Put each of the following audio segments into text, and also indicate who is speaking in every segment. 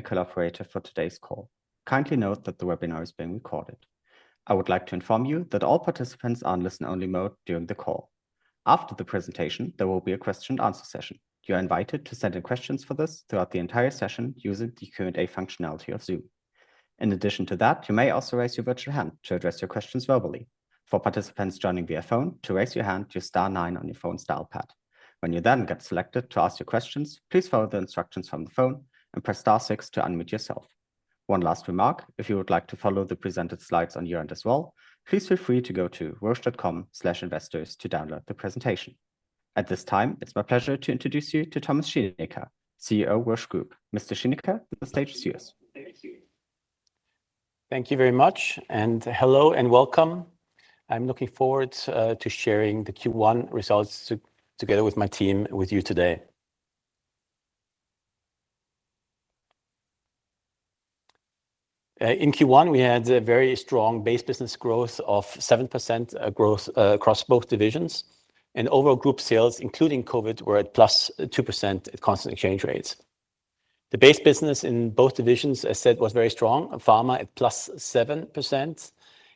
Speaker 1: Collaborator for today's call. Kindly note that the webinar is being recorded. I would like to inform you that all participants are in listen-only mode during the call. After the presentation, there will be a question-and-answer session. You are invited to send in questions for this throughout the entire session using the Q&A functionality of Zoom. In addition to that, you may also raise your virtual hand to address your questions verbally. For participants joining via phone, to raise your hand, use star nine on your phone's dial pad. When you then get selected to ask your questions, please follow the instructions from the phone and press star six to unmute yourself. One last remark: if you would like to follow the presented slides on your end as well, please feel free to go to roche.com/investors to download the presentation. At this time, it's my pleasure to introduce you to Thomas Schinecker, CEO, Roche Group. Mr. Schinecker, the stage is yours.
Speaker 2: Thank you very much, and hello and welcome. I'm looking forward to sharing the Q1 results together with my team with you today. In Q1, we had a very strong base business growth of 7% growth across both divisions, and overall group sales, including COVID, were at +2% at constant exchange rates. The base business in both divisions, as said, was very strong: pharma at +7%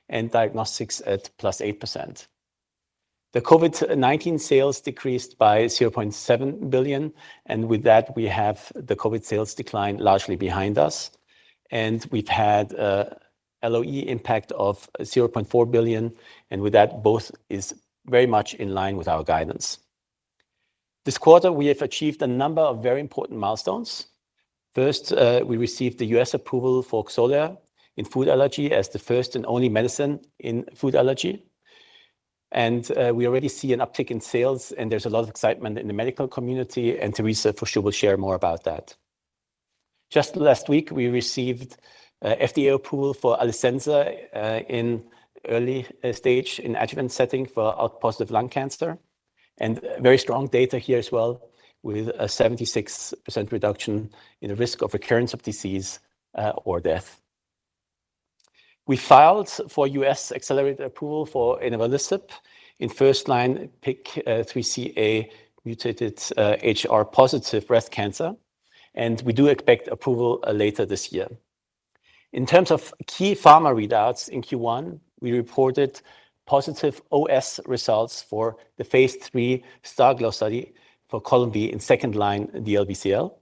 Speaker 2: and diagnostics at +8%. The COVID-19 sales decreased by 0.7 billion, and with that, we have the COVID sales decline largely behind us. We've had an LOE impact of 0.4 billion, and with that, both is very much in line with our guidance. This quarter, we have achieved a number of very important milestones. First, we received the U.S. approval for Xolair in food allergy as the first and only medicine in food allergy. And we already see an uptick in sales, and there's a lot of excitement in the medical community, and Teresa for sure will share more about that. Just last week, we received an FDA approval for Alecensa in early stage in adjuvant setting for ALK+ lung cancer, and very strong data here as well with a 76% reduction in the risk of recurrence of disease or death. We filed for U.S. accelerated approval for inavolisib in first-line PIK3CA-mutated HR+ breast cancer, and we do expect approval later this year. In terms of key pharma readouts in Q1, we reported positive OS results for the phase III STARGLO study for Columvi in second-line DLBCL.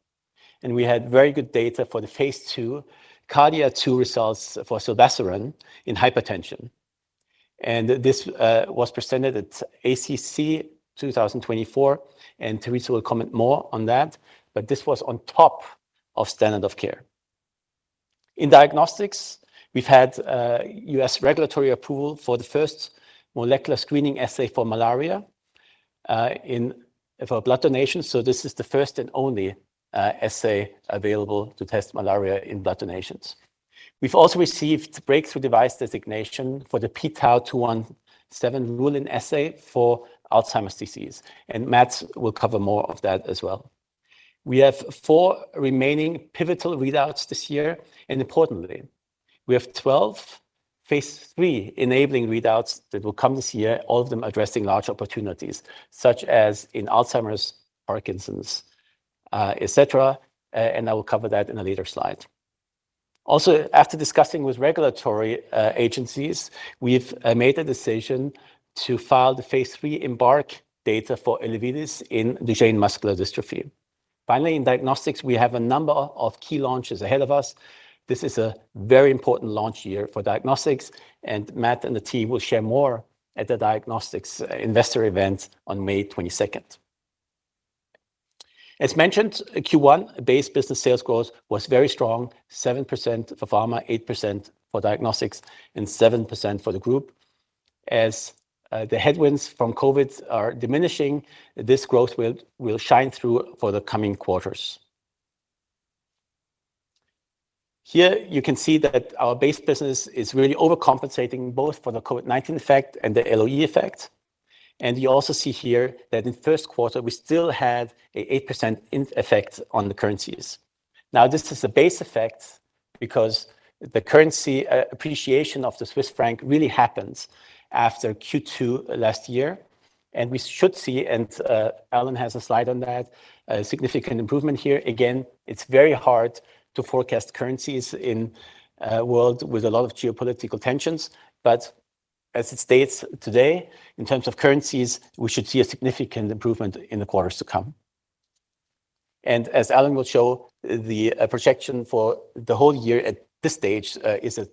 Speaker 2: We had very good data for the phase II KARDIA-2 results for zilebesiran in hypertension. This was presented at ACC 2024, and Teresa will comment more on that, but this was on top of standard of care. In diagnostics, we've had U.S. regulatory approval for the first molecular screening assay for malaria for blood donation, so this is the first and only assay available to test malaria in blood donations. We've also received breakthrough device designation for the pTau217 rule-in assay for Alzheimer's disease, and Matt will cover more of that as well. We have four remaining pivotal readouts this year, and importantly, we have 12 phase III enabling readouts that will come this year, all of them addressing large opportunities such as in Alzheimer's, Parkinson's, etc. I will cover that in a later slide. Also, after discussing with regulatory agencies, we've made a decision to file the phase III EMBARK data for Elevidys in Duchenne muscular dystrophy. Finally, in diagnostics, we have a number of key launches ahead of us. This is a very important launch year for Diagnostics, and Matt and the team will share more at the Diagnostics investor event on May 22nd. As mentioned, Q1 base business sales growth was very strong: 7% for Pharma, 8% for Diagnostics, and 7% for the group. As the headwinds from COVID are diminishing, this growth will shine through for the coming quarters. Here you can see that our base business is really overcompensating both for the COVID-19 effect and the LOE effect. You also see here that in first quarter, we still had an 8% effect on the currencies. Now, this is a base effect because the currency appreciation of the Swiss franc really happens after Q2 last year. We should see, and Alan has a slide on that, a significant improvement here. Again, it's very hard to forecast currencies in a world with a lot of geopolitical tensions, but as it states today, in terms of currencies, we should see a significant improvement in the quarters to come. And as Alan will show, the projection for the whole year at this stage is at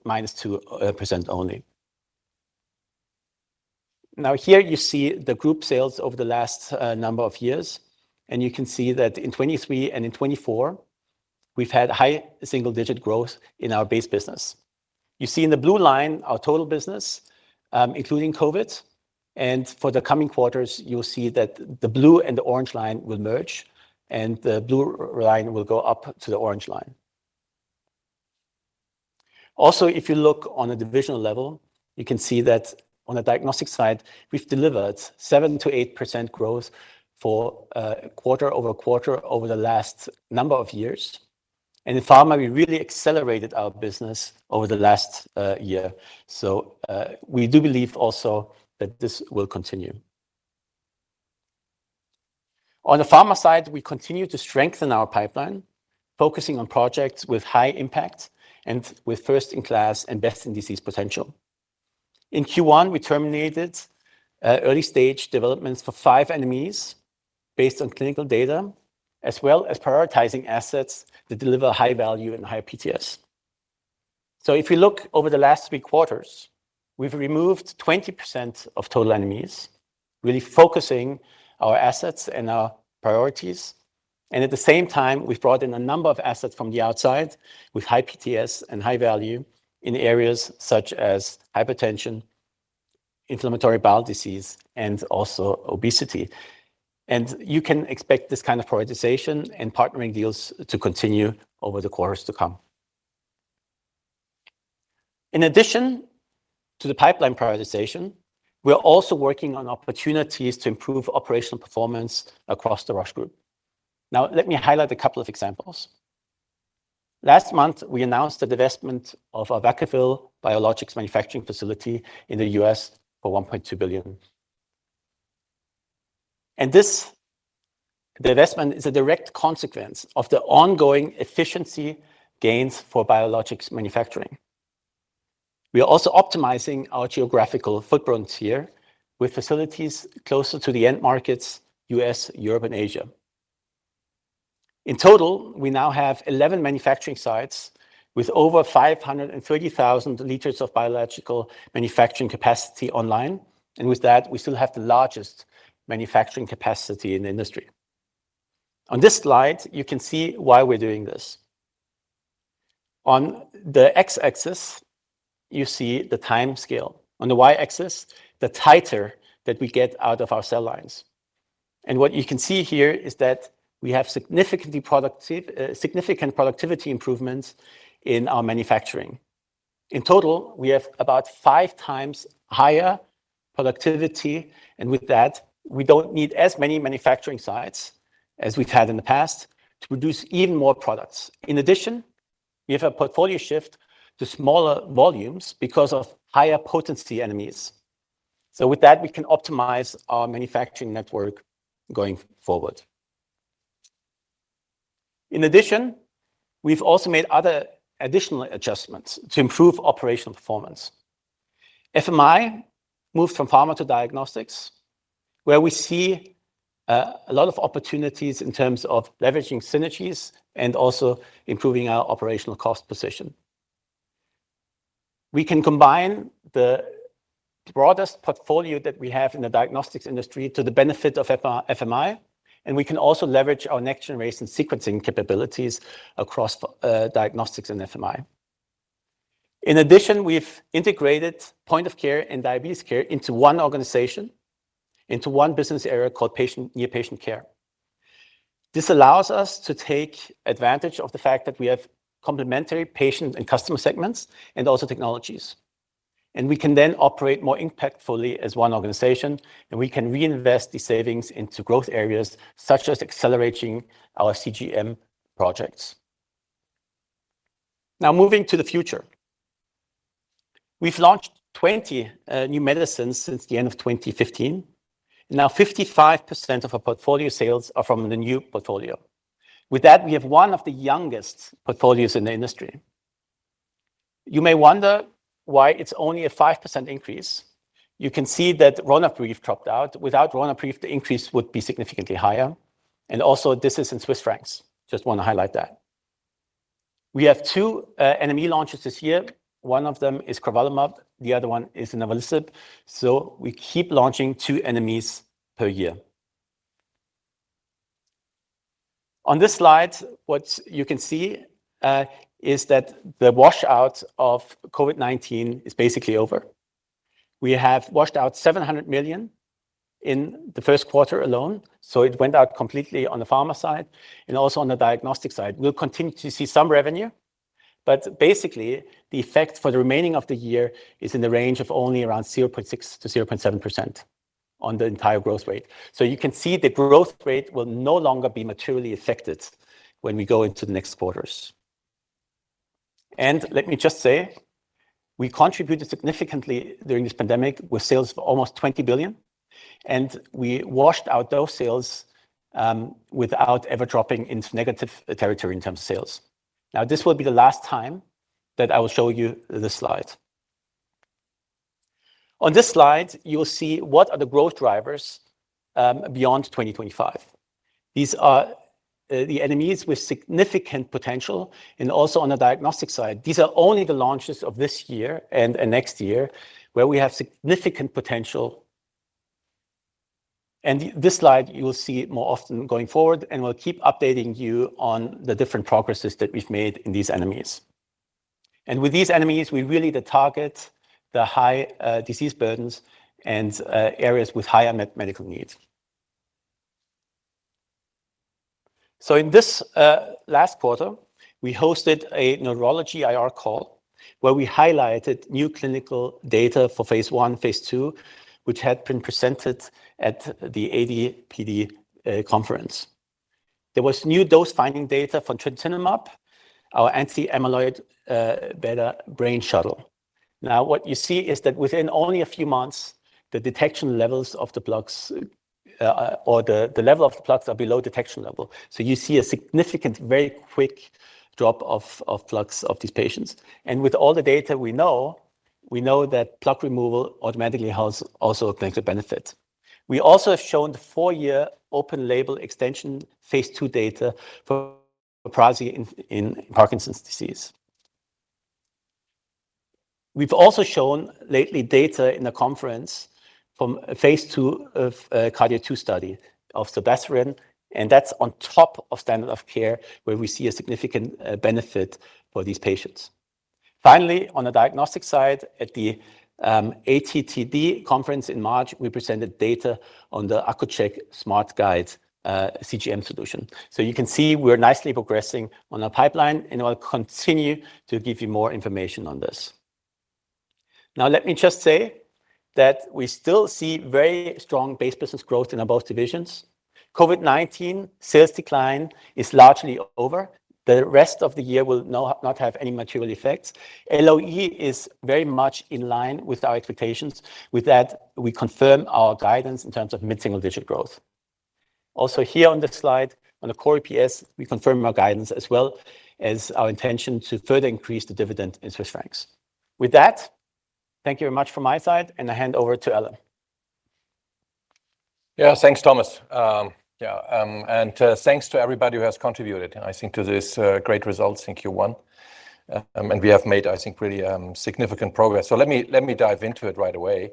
Speaker 2: -2% only. Now, here you see the group sales over the last number of years, and you can see that in 2023 and in 2024, we've had high single-digit growth in our base business. You see in the blue line our total business, including COVID. And for the coming quarters, you'll see that the blue and the orange line will merge, and the blue line will go up to the orange line. Also, if you look on a divisional level, you can see that on the diagnostic side, we've delivered 7%-8% growth quarter-over-quarter over the last number of years. And in pharma, we really accelerated our business over the last year. So we do believe also that this will continue. On the pharma side, we continue to strengthen our pipeline, focusing on projects with high impact and with first-in-class and best-in-disease potential. In Q1, we terminated early-stage developments for 5 NMEs based on clinical data, as well as prioritizing assets that deliver high value and higher PTS. So if we look over the last three quarters, we've removed 20% of total NMEs, really focusing our assets and our priorities. At the same time, we've brought in a number of assets from the outside with high PTS and high value in areas such as hypertension, inflammatory bowel disease, and also obesity. You can expect this kind of prioritization and partnering deals to continue over the quarters to come. In addition to the pipeline prioritization, we're also working on opportunities to improve operational performance across the Roche Group. Now, let me highlight a couple of examples. Last month, we announced the investment of our Vacaville biologics manufacturing facility in the U.S. for 1.2 billion. This investment is a direct consequence of the ongoing efficiency gains for biologics manufacturing. We are also optimizing our geographical footprint here with facilities closer to the end markets: U.S., Europe, and Asia. In total, we now have 11 manufacturing sites with over 530,000 liters of biological manufacturing capacity online. And with that, we still have the largest manufacturing capacity in the industry. On this slide, you can see why we're doing this. On the X-axis, you see the time scale. On the Y-axis, the titer that we get out of our cell lines. And what you can see here is that we have significant productivity improvements in our manufacturing. In total, we have about five times higher productivity. And with that, we don't need as many manufacturing sites as we've had in the past to produce even more products. In addition, we have a portfolio shift to smaller volumes because of higher potency NMEs. So with that, we can optimize our manufacturing network going forward. In addition, we've also made other additional adjustments to improve operational performance. FMI moved from pharma to diagnostics, where we see a lot of opportunities in terms of leveraging synergies and also improving our operational cost position. We can combine the broadest portfolio that we have in the diagnostics industry to the benefit of FMI, and we can also leverage our next-generation sequencing capabilities across diagnostics and FMI. In addition, we've integrated point-of-care and diabetes care into one organization, into one business area called patient near patient care. This allows us to take advantage of the fact that we have complementary patient and customer segments and also technologies. We can then operate more impactfully as one organization, and we can reinvest the savings into growth areas such as accelerating our CGM projects. Now, moving to the future. We've launched 20 new medicines since the end of 2015. Now, 55% of our portfolio sales are from the new portfolio. With that, we have one of the youngest portfolios in the industry. You may wonder why it's only a 5% increase. You can see that Ronapreve dropped out. Without Ronapreve, the increase would be significantly higher. And also, this is in Swiss francs. Just want to highlight that. We have two NME launches this year. One of them is crovalimab. The other one is inavolisib. So we keep launching two NMEs per year. On this slide, what you can see is that the washout of COVID-19 is basically over. We have washed out 700 million in the first quarter alone. So it went out completely on the pharma side and also on the diagnostic side. We'll continue to see some revenue. But basically, the effect for the remaining of the year is in the range of only around 0.6%-0.7% on the entire growth rate. So you can see the growth rate will no longer be materially affected when we go into the next quarters. And let me just say, we contributed significantly during this pandemic with sales of almost 20 billion. And we washed out those sales without ever dropping into negative territory in terms of sales. Now, this will be the last time that I will show you this slide. On this slide, you will see what are the growth drivers beyond 2025. These are the NMEs with significant potential and also on the diagnostic side. These are only the launches of this year and next year where we have significant potential. And this slide, you will see it more often going forward, and we'll keep updating you on the different progresses that we've made in these NMEs. And with these NMEs, we really target the high disease burdens and areas with higher medical needs. So in this last quarter, we hosted a neurology IR call where we highlighted new clinical data for phase I, phase II, which had been presented at the AD/PD conference. There was new dose-finding data from trontinemab, our anti-amyloid beta Brainshuttle. Now, what you see is that within only a few months, the detection levels of the plaques or the level of the plaques are below detection level. So you see a significant, very quick drop of plaques of these patients. And with all the data we know, we know that plaque removal automatically has also a clinical benefit. We also have shown the four-year open-label extension phase II data for prasinezumab in Parkinson's disease. We've also shown lately data in a conference from a phase II of KARDIA-2 study of zilebesiran. That's on top of standard of care where we see a significant benefit for these patients. Finally, on the diagnostic side, at the ATTD conference in March, we presented data on the Accu-Chek SmartGuide CGM solution. So you can see we're nicely progressing on our pipeline, and I'll continue to give you more information on this. Now, let me just say that we still see very strong base business growth in both divisions. COVID-19 sales decline is largely over. The rest of the year will not have any material effects. LOE is very much in line with our expectations. With that, we confirm our guidance in terms of mid-single-digit growth. Also here on this slide, on the core EPS, we confirm our guidance as well as our intention to further increase the dividend in Swiss francs. With that, thank you very much from my side, and I hand over to Alan.
Speaker 3: Yeah, thanks, Thomas. Yeah, and thanks to everybody who has contributed, I think, to these great results in Q1. We have made, I think, really significant progress. Let me dive into it right away.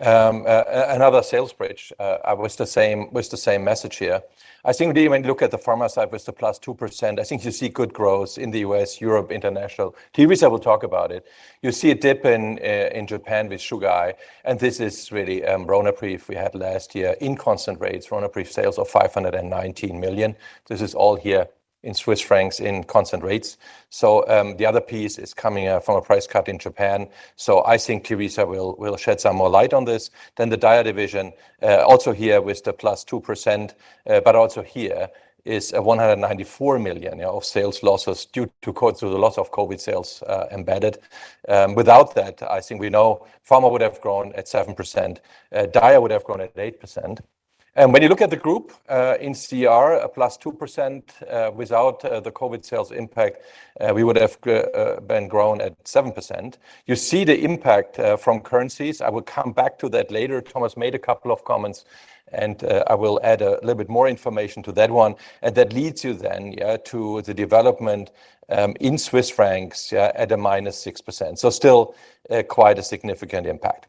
Speaker 3: Another sales bridge with the same message here. I think really, when you look at the pharma side with the +2%, I think you see good growth in the U.S., Europe, international. Teresa will talk about it. You see a dip in Japan with Chugai. This is really Ronapreve we had last year in constant rates, Ronapreve sales of 519 million. This is all here in Swiss francs in constant rates. The other piece is coming from a price cut in Japan. I think Teresa will shed some more light on this. Then the DIA division, also here with the +2%, but also here is 194 million of sales losses due to the loss of COVID sales embedded. Without that, I think we know pharma would have grown at 7%. DIA would have grown at 8%. When you look at the group in CER, a +2% without the COVID sales impact, we would have been grown at 7%. You see the impact from currencies. I will come back to that later. Thomas made a couple of comments, and I will add a little bit more information to that one. That leads you then to the development in Swiss francs at a -6%. So still quite a significant impact.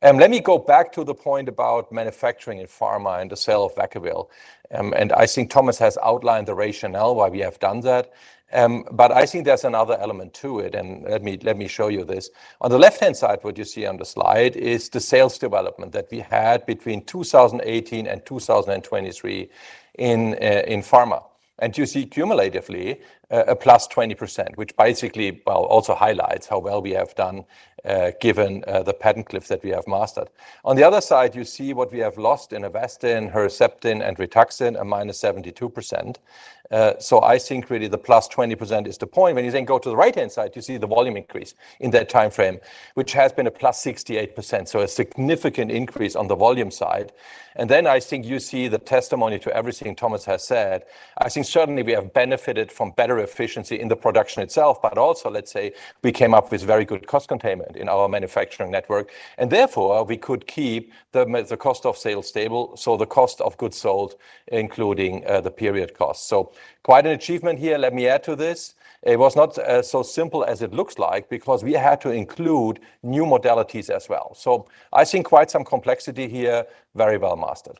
Speaker 3: Let me go back to the point about manufacturing in pharma and the sale of Vacaville. I think Thomas has outlined the rationale why we have done that. I think there's another element to it. Let me show you this. On the left-hand side, what you see on the slide is the sales development that we had between 2018 and 2023 in pharma. You see cumulatively a +20%, which basically also highlights how well we have done given the patent cliff that we have mastered. On the other side, you see what we have lost in Avastin, Herceptin, and Rituxan, a -72%. I think really the +20% is the point. When you then go to the right-hand side, you see the volume increase in that time frame, which has been a +68%. A significant increase on the volume side. Then I think you see the testimony to everything Thomas has said. I think certainly we have benefited from better efficiency in the production itself. But also, let's say, we came up with very good cost containment in our manufacturing network. And therefore, we could keep the cost of sales stable. So the cost of goods sold, including the period cost. So quite an achievement here. Let me add to this. It was not so simple as it looks like because we had to include new modalities as well. So I think quite some complexity here, very well mastered.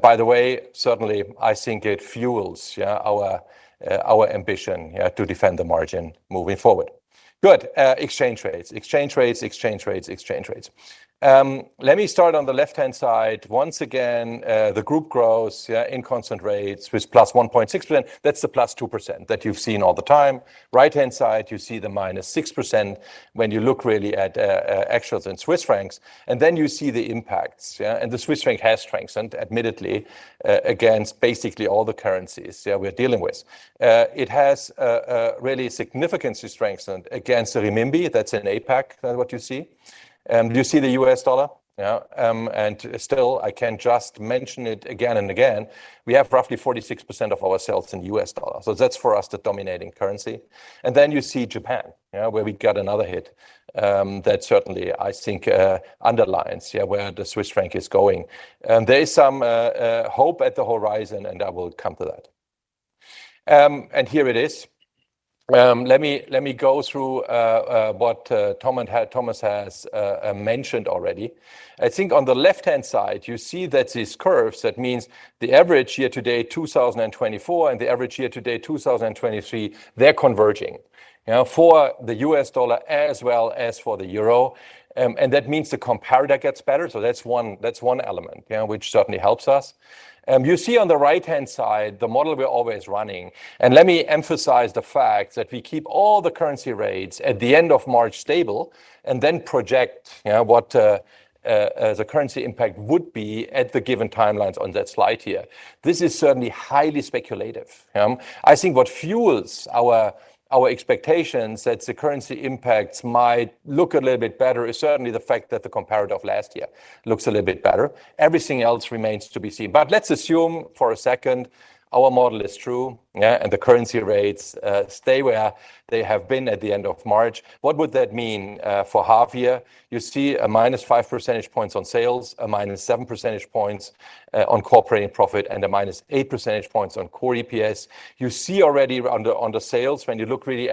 Speaker 3: By the way, certainly, I think it fuels our ambition to defend the margin moving forward. Good. Exchange rates. Exchange rates, exchange rates, exchange rates. Let me start on the left-hand side. Once again, the group grows in constant rates with +1.6%. That's the +2% that you've seen all the time. Right-hand side, you see the -6% when you look really at actuals in Swiss francs. And then you see the impacts. The Swiss franc has strengthened, admittedly, against basically all the currencies we're dealing with. It has really significantly strengthened against the renminbi. That's an APAC, what you see. You see the US dollar. And still, I can just mention it again and again. We have roughly 46% of our sales in US dollar. So that's for us the dominating currency. And then you see Japan, where we got another hit that certainly, I think, underlines where the Swiss franc is going. There is some hope at the horizon, and I will come to that. And here it is. Let me go through what Thomas has mentioned already. I think on the left-hand side, you see that these curves, that means the average year to date 2024 and the average year to date 2023, they're converging for the US dollar as well as for the euro. That means the comparator gets better. That's one element which certainly helps us. You see on the right-hand side, the model we're always running. Let me emphasize the fact that we keep all the currency rates at the end of March stable and then project what the currency impact would be at the given timelines on that slide here. This is certainly highly speculative. I think what fuels our expectations that the currency impacts might look a little bit better is certainly the fact that the comparator of last year looks a little bit better. Everything else remains to be seen. Let's assume for a second our model is true and the currency rates stay where they have been at the end of March. What would that mean for half year? You see a -5 percentage points on sales, a -7 percentage points on corporate profit, and a -8 percentage points on core EPS. You see already on the sales when you look really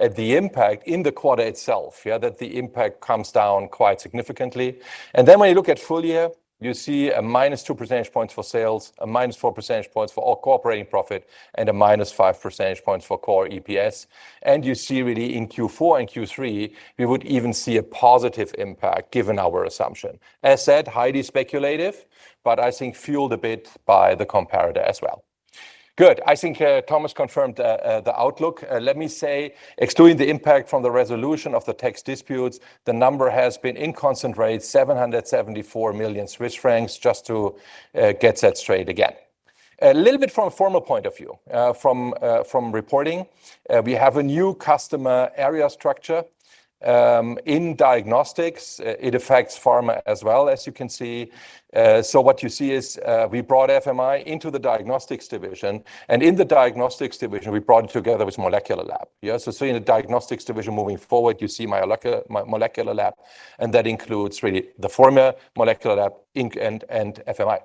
Speaker 3: at the impact in the quarter itself that the impact comes down quite significantly. And then when you look at full year, you see a -2 percentage points for sales, a -4 percentage points for all corporate profit, and a -5 percentage points for core EPS. And you see really in Q4 and Q3, we would even see a positive impact given our assumption. As said, highly speculative, but I think fueled a bit by the comparator as well. Good. I think Thomas confirmed the outlook. Let me say, excluding the impact from the resolution of the tax disputes, the number has been in constant rate 774 million Swiss francs, just to get that straight again. A little bit from a formal point of view, from reporting, we have a new customer area structure in diagnostics. It affects pharma as well, as you can see. So what you see is we brought FMI into the diagnostics division. And in the diagnostics division, we brought it together with Molecular Lab. So seeing the diagnostics division moving forward, you see Molecular Lab. And that includes really the former Molecular Lab and FMI.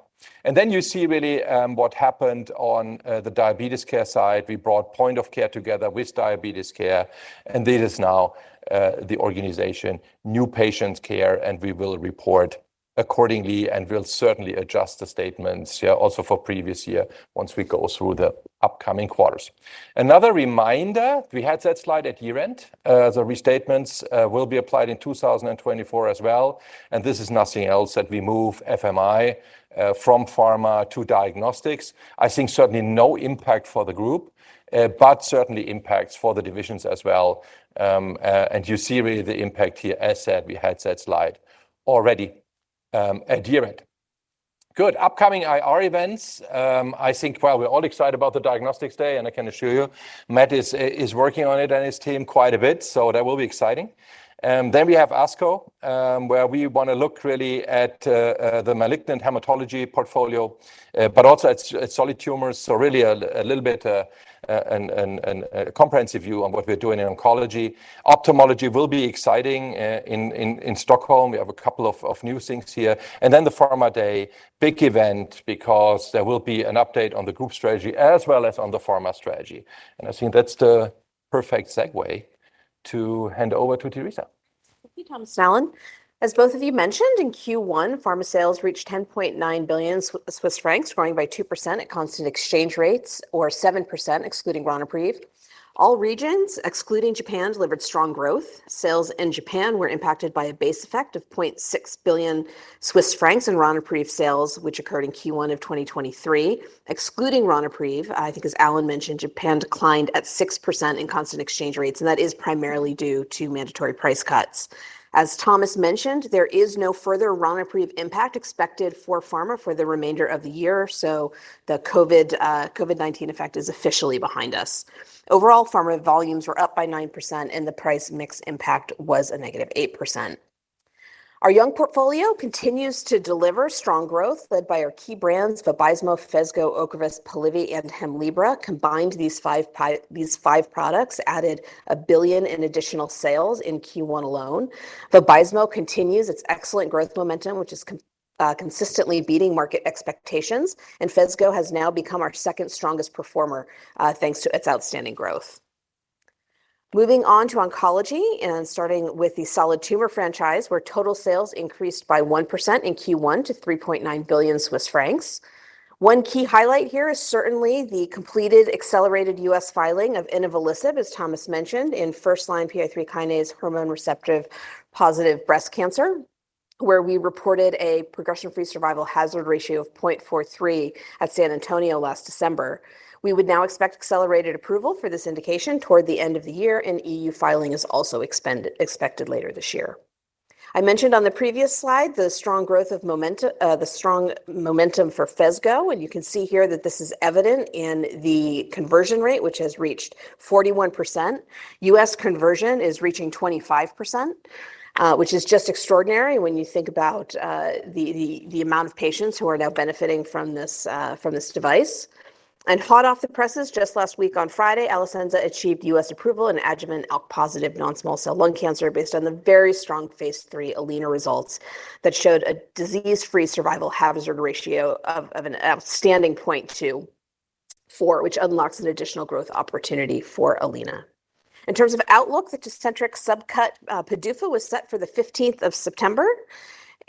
Speaker 3: And then you see really what happened on the diabetes care side. We brought point of care together with diabetes care. And this is now the organization, new patients care. We will report accordingly and will certainly adjust the statements also for previous year once we go through the upcoming quarters. Another reminder, we had that slide at year-end. The restatements will be applied in 2024 as well. This is nothing else that we move FMI from pharma to diagnostics. I think certainly no impact for the group, but certainly impacts for the divisions as well. You see really the impact here. As said, we had that slide already at year-end. Good. Upcoming IR events. I think, well, we're all excited about the Diagnostics Day. I can assure you, Matt is working on it and his team quite a bit. So that will be exciting. We have ASCO where we want to look really at the malignant hematology portfolio, but also at solid tumors. So really a little bit of a comprehensive view on what we're doing in oncology. Ophthalmology will be exciting in Stockholm. We have a couple of new things here. And then the Pharma Day, big event because there will be an update on the group strategy as well as on the pharma strategy. And I think that's the perfect segue to hand over to Teresa.
Speaker 4: Thank you, Thomas. Alan, as both of you mentioned, in Q1, pharma sales reached 10.9 billion Swiss francs, growing by 2% at constant exchange rates or 7% excluding Ronapreve. All regions, excluding Japan, delivered strong growth. Sales in Japan were impacted by a base effect of 0.6 billion Swiss francs in Ronapreve sales, which occurred in Q1 of 2023. Excluding Ronapreve, I think, as Alan mentioned, Japan declined at 6% in constant exchange rates. And that is primarily due to mandatory price cuts. As Thomas mentioned, there is no further Ronapreve impact expected for pharma for the remainder of the year. So the COVID-19 effect is officially behind us. Overall, pharma volumes were up by 9%, and the price mix impact was a -8%. Our young portfolio continues to deliver strong growth led by our key brands, Vabysmo, Phesgo, Ocrevus, Polivy, and Hemlibra. Combined, these five products added 1 billion in additional sales in Q1 alone. Vabysmo continues its excellent growth momentum, which is consistently beating market expectations. And Phesgo has now become our second strongest performer thanks to its outstanding growth. Moving on to oncology and starting with the solid tumor franchise, where total sales increased by 1% in Q1 to 3.9 billion Swiss francs. One key highlight here is certainly the completed accelerated US filing of inavolisib, as Thomas mentioned, in first-line PI3 kinase hormone receptor positive breast cancer, where we reported a progression-free survival hazard ratio of 0.43 at San Antonio last December. We would now expect accelerated approval for this indication toward the end of the year. EU filing is also expected later this year. I mentioned on the previous slide the strong growth of the strong momentum for Phesgo. You can see here that this is evident in the conversion rate, which has reached 41%. U.S. conversion is reaching 25%, which is just extraordinary when you think about the amount of patients who are now benefiting from this device. Hot off the presses, just last week on Friday, Alecensa achieved U.S. approval in adjuvant ALK+ non-small cell lung cancer based on the very strong phase III ALINA results that showed a disease-free survival hazard ratio of an outstanding 0.24, which unlocks an additional growth opportunity for ALINA. In terms of outlook, the Tecentriq subcut PDUFA was set for the 15th of September.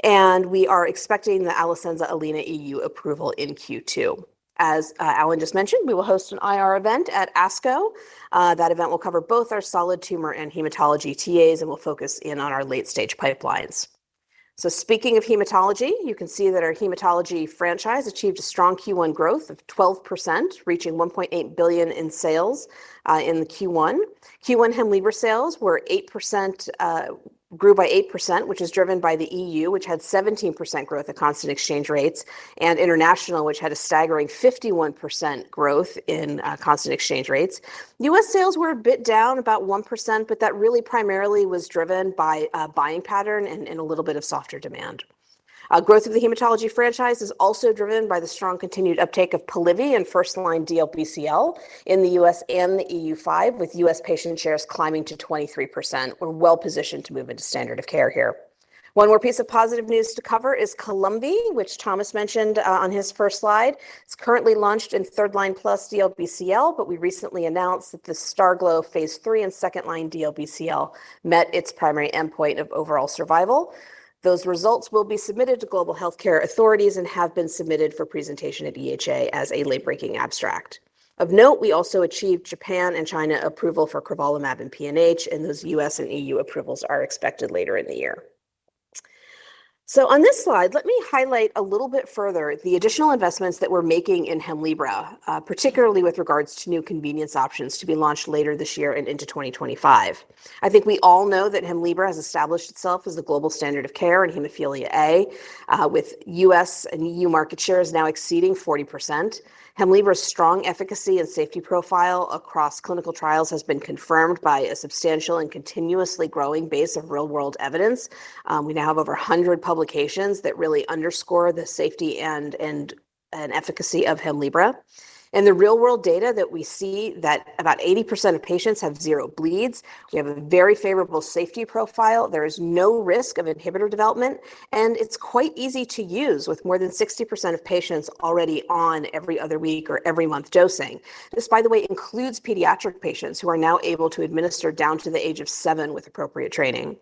Speaker 4: We are expecting the Alecensa ALINA EU approval in Q2. As Alan just mentioned, we will host an IR event at ASCO. That event will cover both our solid tumor and hematology TAs, and we'll focus in on our late-stage pipelines. Speaking of hematology, you can see that our hematology franchise achieved a strong Q1 growth of 12%, reaching 1.8 billion in sales in Q1. Q1 Hemlibra sales grew by 8%, which is driven by the EU, which had 17% growth at constant exchange rates, and international, which had a staggering 51% growth in constant exchange rates. US sales were a bit down, about 1%, but that really primarily was driven by a buying pattern and a little bit of softer demand. Growth of the hematology franchise is also driven by the strong continued uptake of Polivy and first-line DLBCL in the US and the EU5, with US patient shares climbing to 23%. We're well positioned to move into standard of care here. One more piece of positive news to cover is Columvi, which Thomas mentioned on his first slide. It's currently launched in third-line plus DLBCL, but we recently announced that the STARGLO phase III and second-line DLBCL met its primary endpoint of overall survival. Those results will be submitted to global healthcare authorities and have been submitted for presentation at EHA as a late-breaking abstract. Of note, we also achieved Japan and China approval for crovalimab and PNH. Those U.S. and EU approvals are expected later in the year. On this slide, let me highlight a little bit further the additional investments that we're making in Hemlibra, particularly with regards to new convenience options to be launched later this year and into 2025. I think we all know that Hemlibra has established itself as the global standard of care in hemophilia A, with US and EU market shares now exceeding 40%. Hemlibra's strong efficacy and safety profile across clinical trials has been confirmed by a substantial and continuously growing base of real-world evidence. We now have over 100 publications that really underscore the safety and efficacy of Hemlibra. The real-world data that we see is that about 80% of patients have zero bleeds. We have a very favorable safety profile. There is no risk of inhibitor development. And it's quite easy to use with more than 60% of patients already on every other week or every month dosing. This, by the way, includes pediatric patients who are now able to administer down to the age of seven with appropriate training.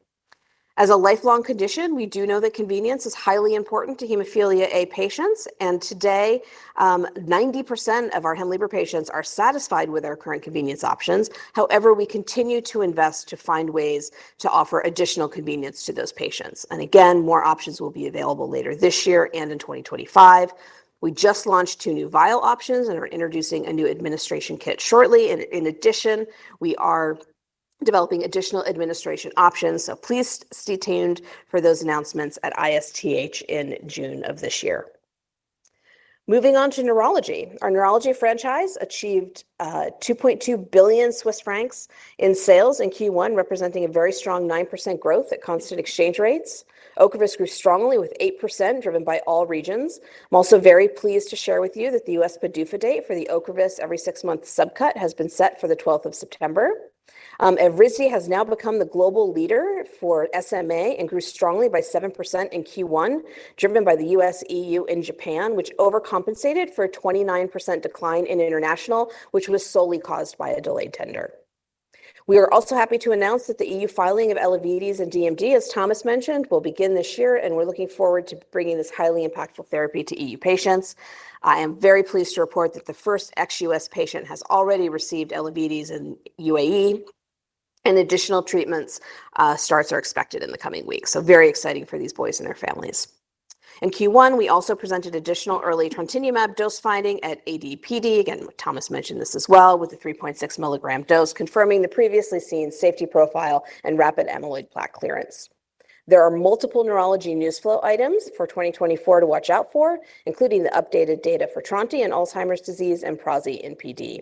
Speaker 4: As a lifelong condition, we do know that convenience is highly important to hemophilia A patients. And today, 90% of our Hemlibra patients are satisfied with our current convenience options. However, we continue to invest to find ways to offer additional convenience to those patients. And again, more options will be available later this year and in 2025. We just launched two new vial options, and we're introducing a new administration kit shortly. And in addition, we are developing additional administration options. So please stay tuned for those announcements at ISTH in June of this year. Moving on to neurology, our neurology franchise achieved 2.2 billion Swiss francs in sales in Q1, representing a very strong 9% growth at constant exchange rates. Ocrevus grew strongly with 8%, driven by all regions. I'm also very pleased to share with you that the U.S. PDUFA date for the Ocrevus every six-month subcut has been set for the 12th of September. Evrysdi has now become the global leader for SMA and grew strongly by 7% in Q1, driven by the U.S., EU, and Japan, which overcompensated for a 29% decline in international, which was solely caused by a delayed tender. We are also happy to announce that the EU filing of ELEVIDIS and DMD, as Thomas mentioned, will begin this year. And we're looking forward to bringing this highly impactful therapy to EU patients. I am very pleased to report that the first ex-U.S. patient has already received Elevidys in UAE. And additional treatments starts are expected in the coming weeks. So very exciting for these boys and their families. In Q1, we also presented additional early trontinemab dose-finding at ADPD. Again, Thomas mentioned this as well with the 3.6 mg dose, confirming the previously seen safety profile and rapid amyloid plaque clearance. There are multiple neurology newsflow items for 2024 to watch out for, including the updated data for trontinemab in Alzheimer's disease and prasinezumab in PD.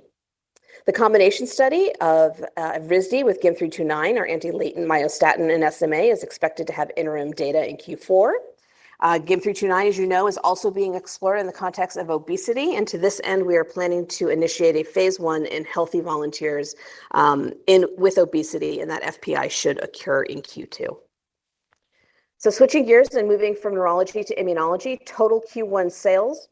Speaker 4: The combination study of Evrysdi with GYM329, our anti-latent myostatin in SMA, is expected to have interim data in Q4. GYM329, as you know, is also being explored in the context of obesity. To this end, we are planning to initiate a phase I in healthy volunteers with obesity. That FPI should occur in Q2. So switching gears and moving from neurology to immunology, total Q1 sales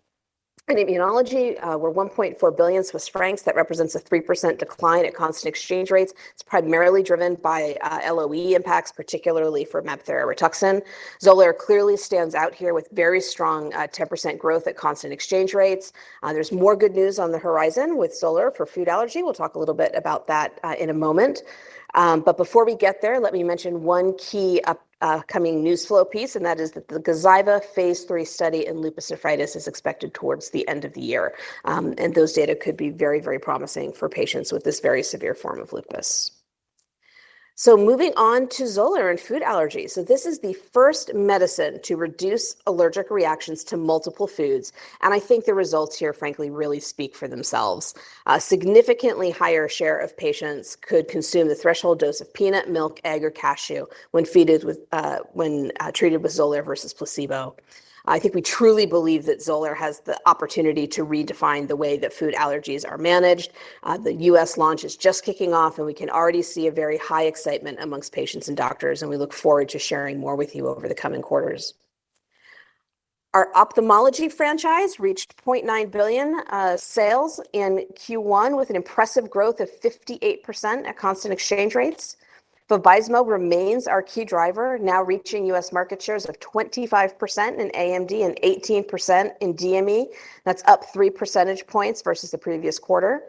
Speaker 4: in immunology were 1.4 billion Swiss francs. That represents a 3% decline at constant exchange rates. It's primarily driven by LOE impacts, particularly for MabThera/Rituxan. Xolair clearly stands out here with very strong 10% growth at constant exchange rates. There's more good news on the horizon with Xolair for food allergy. We'll talk a little bit about that in a moment. But before we get there, let me mention one key upcoming newsflow piece. That is that the Gazyva phase III study in lupus nephritis is expected towards the end of the year. Those data could be very, very promising for patients with this very severe form of lupus. So moving on to Xolair and food allergy. So this is the first medicine to reduce allergic reactions to multiple foods. And I think the results here, frankly, really speak for themselves. A significantly higher share of patients could consume the threshold dose of peanut, milk, egg, or cashew when treated with Xolair versus placebo. I think we truly believe that Xolair has the opportunity to redefine the way that food allergies are managed. The U.S. launch is just kicking off, and we can already see a very high excitement among patients and doctors. And we look forward to sharing more with you over the coming quarters. Our ophthalmology franchise reached 0.9 billion sales in Q1 with an impressive growth of 58% at constant exchange rates. Vabysmo remains our key driver, now reaching US market shares of 25% in AMD and 18% in DME. That's up 3 percentage points versus the previous quarter.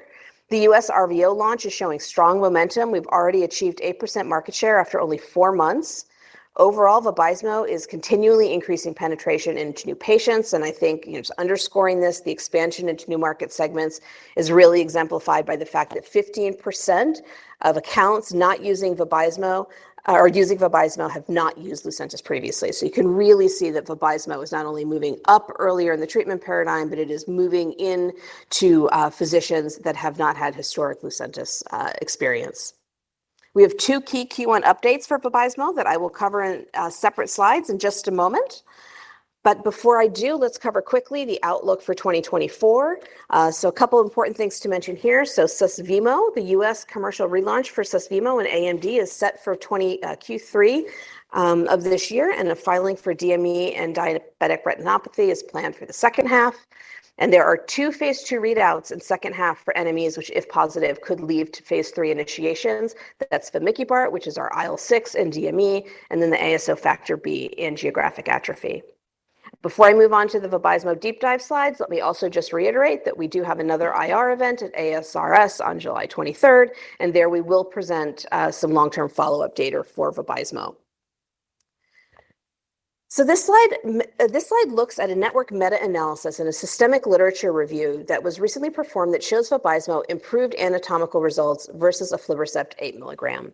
Speaker 4: The US RVO launch is showing strong momentum. We've already achieved 8% market share after only four months. Overall, Vabysmo is continually increasing penetration into new patients. And I think, just underscoring this, the expansion into new market segments is really exemplified by the fact that 15% of accounts not using Vabysmo or using Vabysmo have not used Lucentis previously. So you can really see that Vabysmo is not only moving up earlier in the treatment paradigm, but it is moving into physicians that have not had historic Lucentis experience. We have two key Q1 updates for Vabysmo that I will cover in separate slides in just a moment. But before I do, let's cover quickly the outlook for 2024. So a couple of important things to mention here. Susvimo, the U.S. commercial relaunch for Susvimo and AMD, is set for Q3 of this year. A filing for DME and diabetic retinopathy is planned for the second half. There are two phase II readouts in second half for NMEs, which, if positive, could lead to phase III initiations. That's the mAb IL-6 in DME, and then the ASO factor B in geographic atrophy. Before I move on to the Vabysmo deep dive slides, let me also just reiterate that we do have another IR event at ASRS on July 23rd. There we will present some long-term follow-up data for Vabysmo. This slide looks at a network meta-analysis and a systematic literature review that was recently performed that shows Vabysmo improved anatomical results versus aflibercept 8 mg.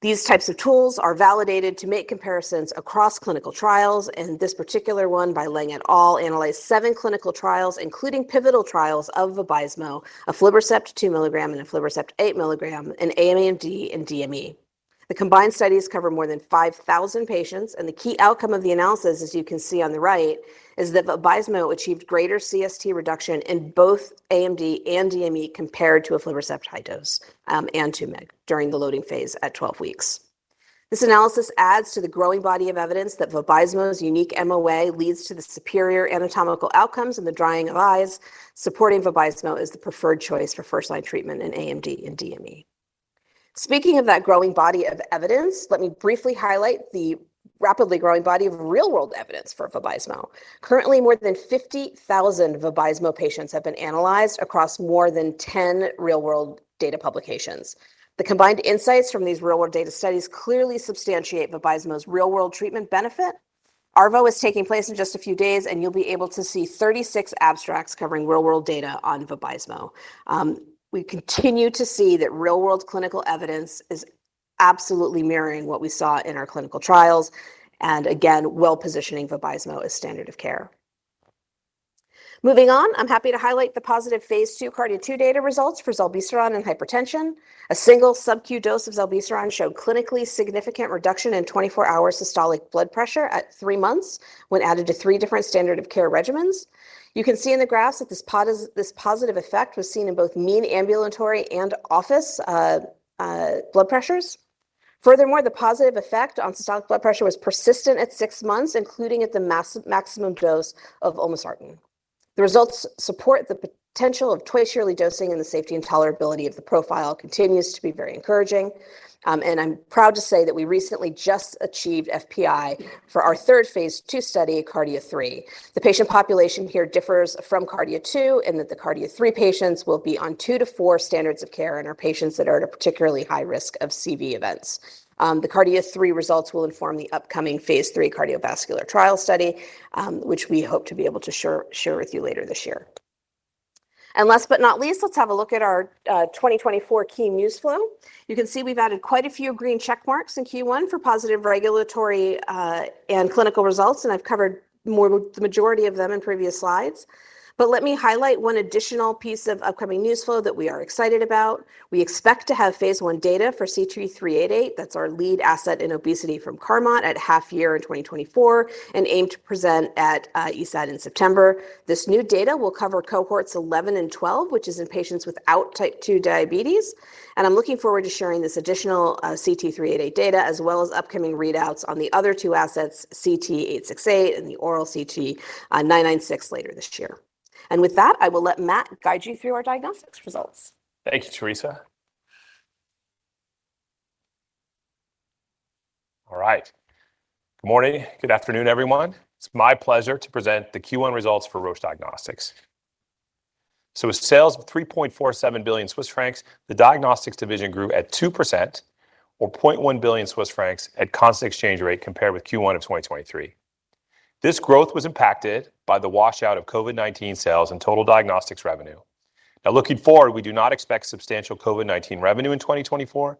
Speaker 4: These types of tools are validated to make comparisons across clinical trials. This particular one by Lang et al. analyzed 7 clinical trials, including pivotal trials of Vabysmo, aflibercept 2 mg, and aflibercept 8 mg, and AMD and DME. The combined studies cover more than 5,000 patients. The key outcome of the analysis, as you can see on the right, is that Vabysmo achieved greater CST reduction in both AMD and DME compared to aflibercept high dose and 2 mg during the loading phase at 12 weeks. This analysis adds to the growing body of evidence that Vabysmo's unique MOA leads to the superior anatomical outcomes in the drying of eyes. Supporting Vabysmo is the preferred choice for first-line treatment in AMD and DME. Speaking of that growing body of evidence, let me briefly highlight the rapidly growing body of real-world evidence for Vabysmo. Currently, more than 50,000 Vabysmo patients have been analyzed across more than 10 real-world data publications. The combined insights from these real-world data studies clearly substantiate Vabysmo's real-world treatment benefit. ARVO is taking place in just a few days, and you'll be able to see 36 abstracts covering real-world data on Vabysmo. We continue to see that real-world clinical evidence is absolutely mirroring what we saw in our clinical trials. And again, well positioning Vabysmo as standard of care. Moving on, I'm happy to highlight the positive phase II KARDIA-2 data results for zilebesiran in hypertension. A single sub-Q dose of zilebesiran showed clinically significant reduction in 24-hour systolic blood pressure at three months when added to three different standard of care regimens. You can see in the graphs that this positive effect was seen in both mean ambulatory and office blood pressures. Furthermore, the positive effect on systolic blood pressure was persistent at six months, including at the maximum dose of olmesartan. The results support the potential of twice-yearly dosing and the safety and tolerability of the profile continues to be very encouraging. I'm proud to say that we recently just achieved FPI for our third phase II study, KARDIA-3. The patient population here differs from KARDIA-2 in that the KARDIA-3 patients will be on two to four standards of care in our patients that are at a particularly high risk of CV events. The KARDIA-3 results will inform the upcoming phase III cardiovascular trial study, which we hope to be able to share with you later this year. Last but not least, let's have a look at our 2024 key newsflow. You can see we've added quite a few green checkmarks in Q1 for positive regulatory and clinical results. I've covered the majority of them in previous slides. But let me highlight one additional piece of upcoming newsflow that we are excited about. We expect to have phase I data for CT388. That's our lead asset in obesity from Carmot at half year in 2024 and aim to present at EASD in September. This new data will cover cohorts 11 and 12, which is in patients without type 2 diabetes. And I'm looking forward to sharing this additional CT388 data as well as upcoming readouts on the other two assets, CT868 and the oral CT996 later this year. And with that, I will let Matt guide you through our diagnostics results.
Speaker 5: Thank you, Teresa. All right. Good morning. Good afternoon, everyone. It's my pleasure to present the Q1 results for Roche Diagnostics. So with sales of 3.47 billion Swiss francs, the diagnostics division grew at 2% or 0.1 billion Swiss francs at constant exchange rate compared with Q1 of 2023. This growth was impacted by the washout of COVID-19 sales and total diagnostics revenue. Now, looking forward, we do not expect substantial COVID-19 revenue in 2024.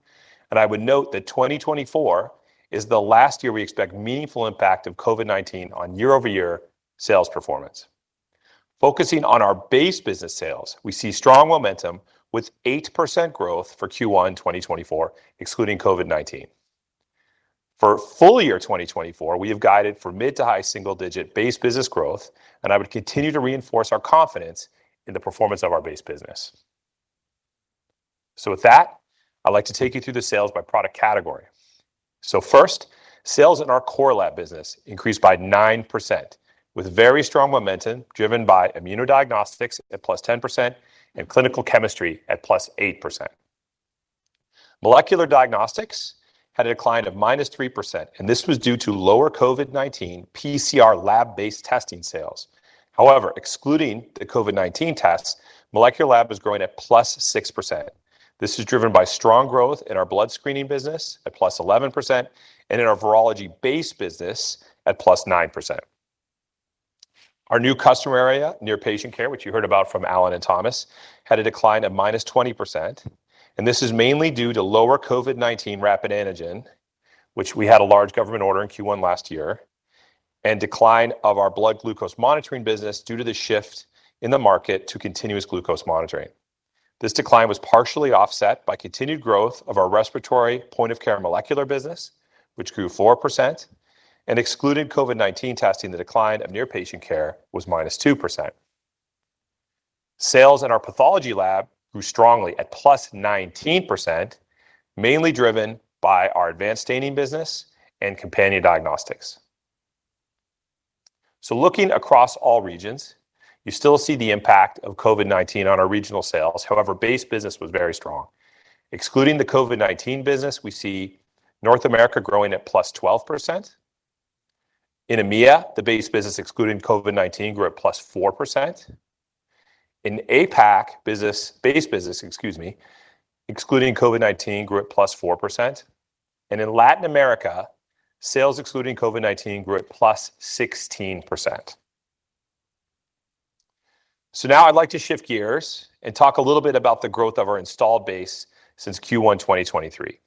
Speaker 5: And I would note that 2024 is the last year we expect meaningful impact of COVID-19 on year-over-year sales performance. Focusing on our base business sales, we see strong momentum with 8% growth for Q1 2024, excluding COVID-19. For full year 2024, we have guided for mid to high single-digit base business growth. And I would continue to reinforce our confidence in the performance of our base business. So with that, I'd like to take you through the sales by product category. So first, sales in our core lab business increased by 9% with very strong momentum driven by immunodiagnostics at +10% and clinical chemistry at +8%. Molecular diagnostics had a decline of -3%. And this was due to lower COVID-19 PCR lab-based testing sales. However, excluding the COVID-19 tests, molecular lab was growing at +6%. This is driven by strong growth in our blood screening business at +11% and in our virology base business at +9%. Our new customer area, near patient care, which you heard about from Alan and Thomas, had a decline of -20%. This is mainly due to lower COVID-19 rapid antigen, which we had a large government order in Q1 last year, and decline of our blood glucose monitoring business due to the shift in the market to continuous glucose monitoring. This decline was partially offset by continued growth of our respiratory point of care molecular business, which grew 4%. Excluding COVID-19 testing, the decline of near patient care was -2%. Sales in our pathology lab grew strongly at +19%, mainly driven by our advanced staining business and companion diagnostics. Looking across all regions, you still see the impact of COVID-19 on our regional sales. However, base business was very strong. Excluding the COVID-19 business, we see North America growing at +12%. In EMEA, the base business excluding COVID-19 grew at +4%. In APAC, base business, excuse me, excluding COVID-19 grew at +4%. In Latin America, sales excluding COVID-19 grew at +16%. Now I'd like to shift gears and talk a little bit about the growth of our installed base since Q1 2023.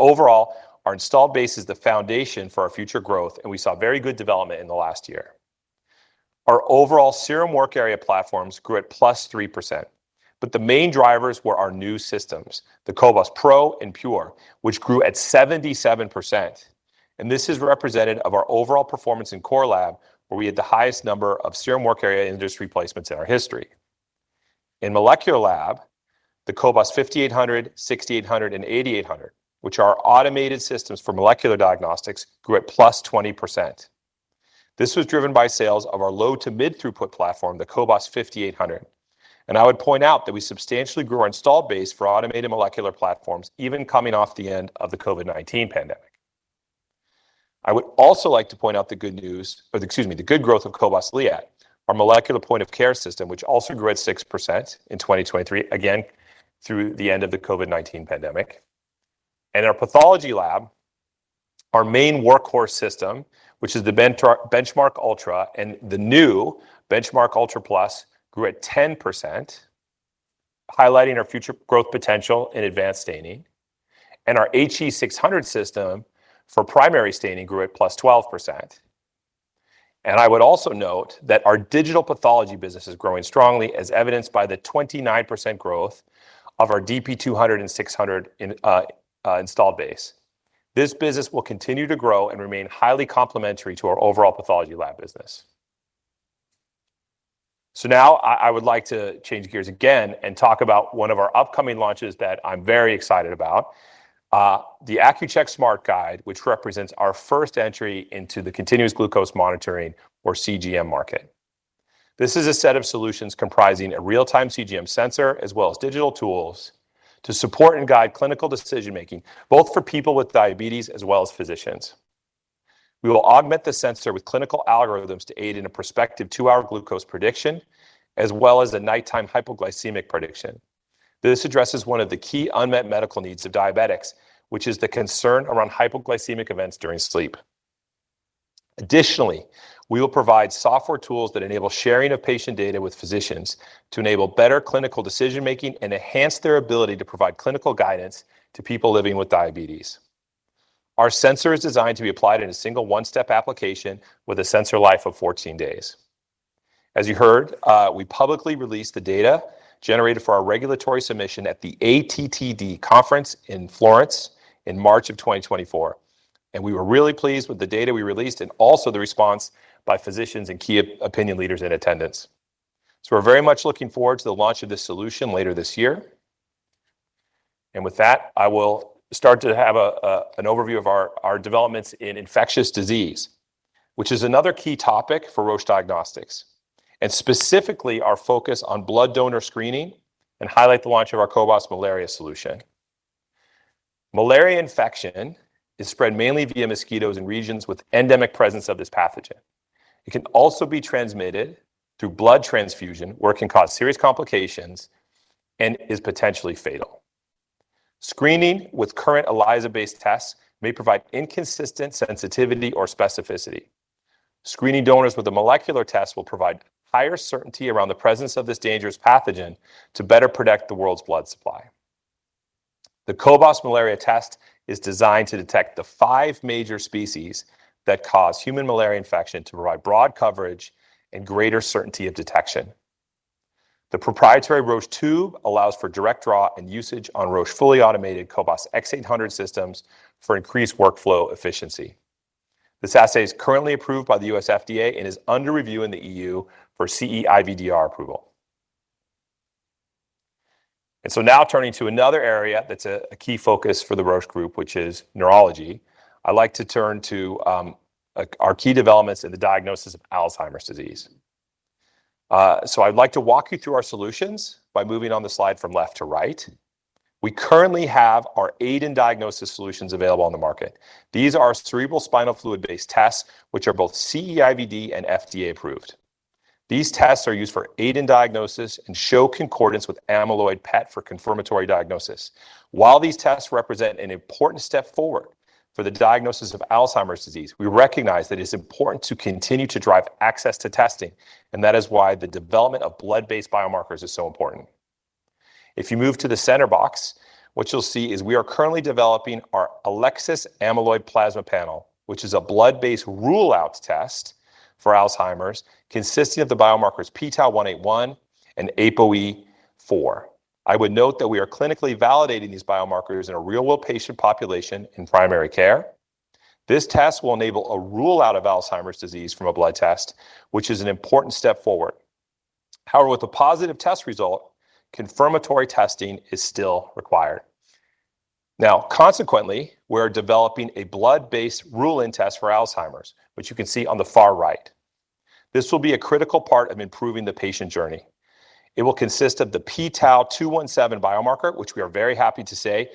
Speaker 5: Overall, our installed base is the foundation for our future growth. We saw very good development in the last year. Our overall serum work area platforms grew at +3%. The main drivers were our new systems, the cobas Pro and Pure, which grew at 77%. This is representative of our overall performance in core lab, where we had the highest number of serum work area industry placements in our history. In molecular lab, the cobas 5800, 6800, and 8800, which are our automated systems for molecular diagnostics, grew at +20%. This was driven by sales of our low to mid throughput platform, the cobas 5800. And I would point out that we substantially grew our installed base for automated molecular platforms, even coming off the end of the COVID-19 pandemic. I would also like to point out the good news or excuse me, the good growth of cobas Liat, our molecular point of care system, which also grew at 6% in 2023, again through the end of the COVID-19 pandemic. And in our pathology lab, our main workhorse system, which is the BenchMark ULTRA and the new BenchMark ULTRA PLUS, grew at 10%, highlighting our future growth potential in advanced staining. And our HE600 system for primary staining grew at plus 12%. And I would also note that our digital pathology business is growing strongly, as evidenced by the 29% growth of our DP200 and 600 installed base. This business will continue to grow and remain highly complementary to our overall pathology lab business. So now I would like to change gears again and talk about one of our upcoming launches that I'm very excited about, the Accu-Chek SmartGuide, which represents our first entry into the continuous glucose monitoring, or CGM, market. This is a set of solutions comprising a real-time CGM sensor as well as digital tools to support and guide clinical decision-making, both for people with diabetes as well as physicians. We will augment the sensor with clinical algorithms to aid in a prospective two-hour glucose prediction as well as a nighttime hypoglycemic prediction. This addresses one of the key unmet medical needs of diabetics, which is the concern around hypoglycemic events during sleep. Additionally, we will provide software tools that enable sharing of patient data with physicians to enable better clinical decision-making and enhance their ability to provide clinical guidance to people living with diabetes. Our sensor is designed to be applied in a single one-step application with a sensor life of 14 days. As you heard, we publicly released the data generated for our regulatory submission at the ATTD conference in Florence in March of 2024. We were really pleased with the data we released and also the response by physicians and key opinion leaders in attendance. We're very much looking forward to the launch of this solution later this year. With that, I will start to have an overview of our developments in infectious disease, which is another key topic for Roche Diagnostics, and specifically our focus on blood donor screening and highlight the launch of our cobas Malaria solution. Malaria infection is spread mainly via mosquitoes in regions with endemic presence of this pathogen. It can also be transmitted through blood transfusion, where it can cause serious complications and is potentially fatal. Screening with current ELISA-based tests may provide inconsistent sensitivity or specificity. Screening donors with a molecular test will provide higher certainty around the presence of this dangerous pathogen to better protect the world's blood supply. The cobas malaria test is designed to detect the five major species that cause human malaria infection to provide broad coverage and greater certainty of detection. The proprietary Roche tube allows for direct draw and usage on Roche fully automated cobas 8800 systems for increased workflow efficiency. This assay is currently approved by the U.S. FDA and is under review in the EU for CE-IVDR approval. And so now turning to another area that's a key focus for the Roche Group, which is neurology, I'd like to turn to our key developments in the diagnosis of Alzheimer's disease. So I'd like to walk you through our solutions by moving on the slide from left to right. We currently have our AD and diagnosis solutions available on the market. These are cerebrospinal fluid-based tests, which are both CE-IVD and FDA approved. These tests are used for AD and diagnosis and show concordance with amyloid PET for confirmatory diagnosis. While these tests represent an important step forward for the diagnosis of Alzheimer's disease, we recognize that it's important to continue to drive access to testing. And that is why the development of blood-based biomarkers is so important. If you move to the center box, what you'll see is we are currently developing our Elecsys Amyloid Plasma Panel, which is a blood-based rule-out test for Alzheimer's consisting of the biomarkers pTau-181 and APOE4. I would note that we are clinically validating these biomarkers in a real-world patient population in primary care. This test will enable a rule-out of Alzheimer's disease from a blood test, which is an important step forward. However, with a positive test result, confirmatory testing is still required. Now, consequently, we're developing a blood-based rule-in test for Alzheimer's, which you can see on the far right. This will be a critical part of improving the patient journey. It will consist of the pTau217 biomarker, which we are very happy to say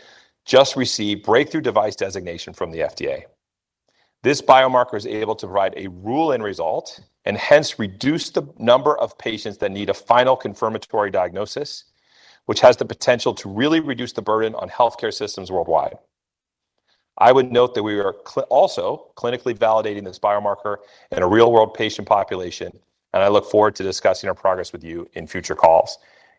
Speaker 5: just received breakthrough device designation from the FDA. This biomarker is able to provide a rule-in result and hence reduce the number of patients that need a final confirmatory diagnosis, which has the potential to really reduce the burden on healthcare systems worldwide. I would note that we are also clinically validating this biomarker in a real-world patient population. I look forward to discussing our progress with you in future calls.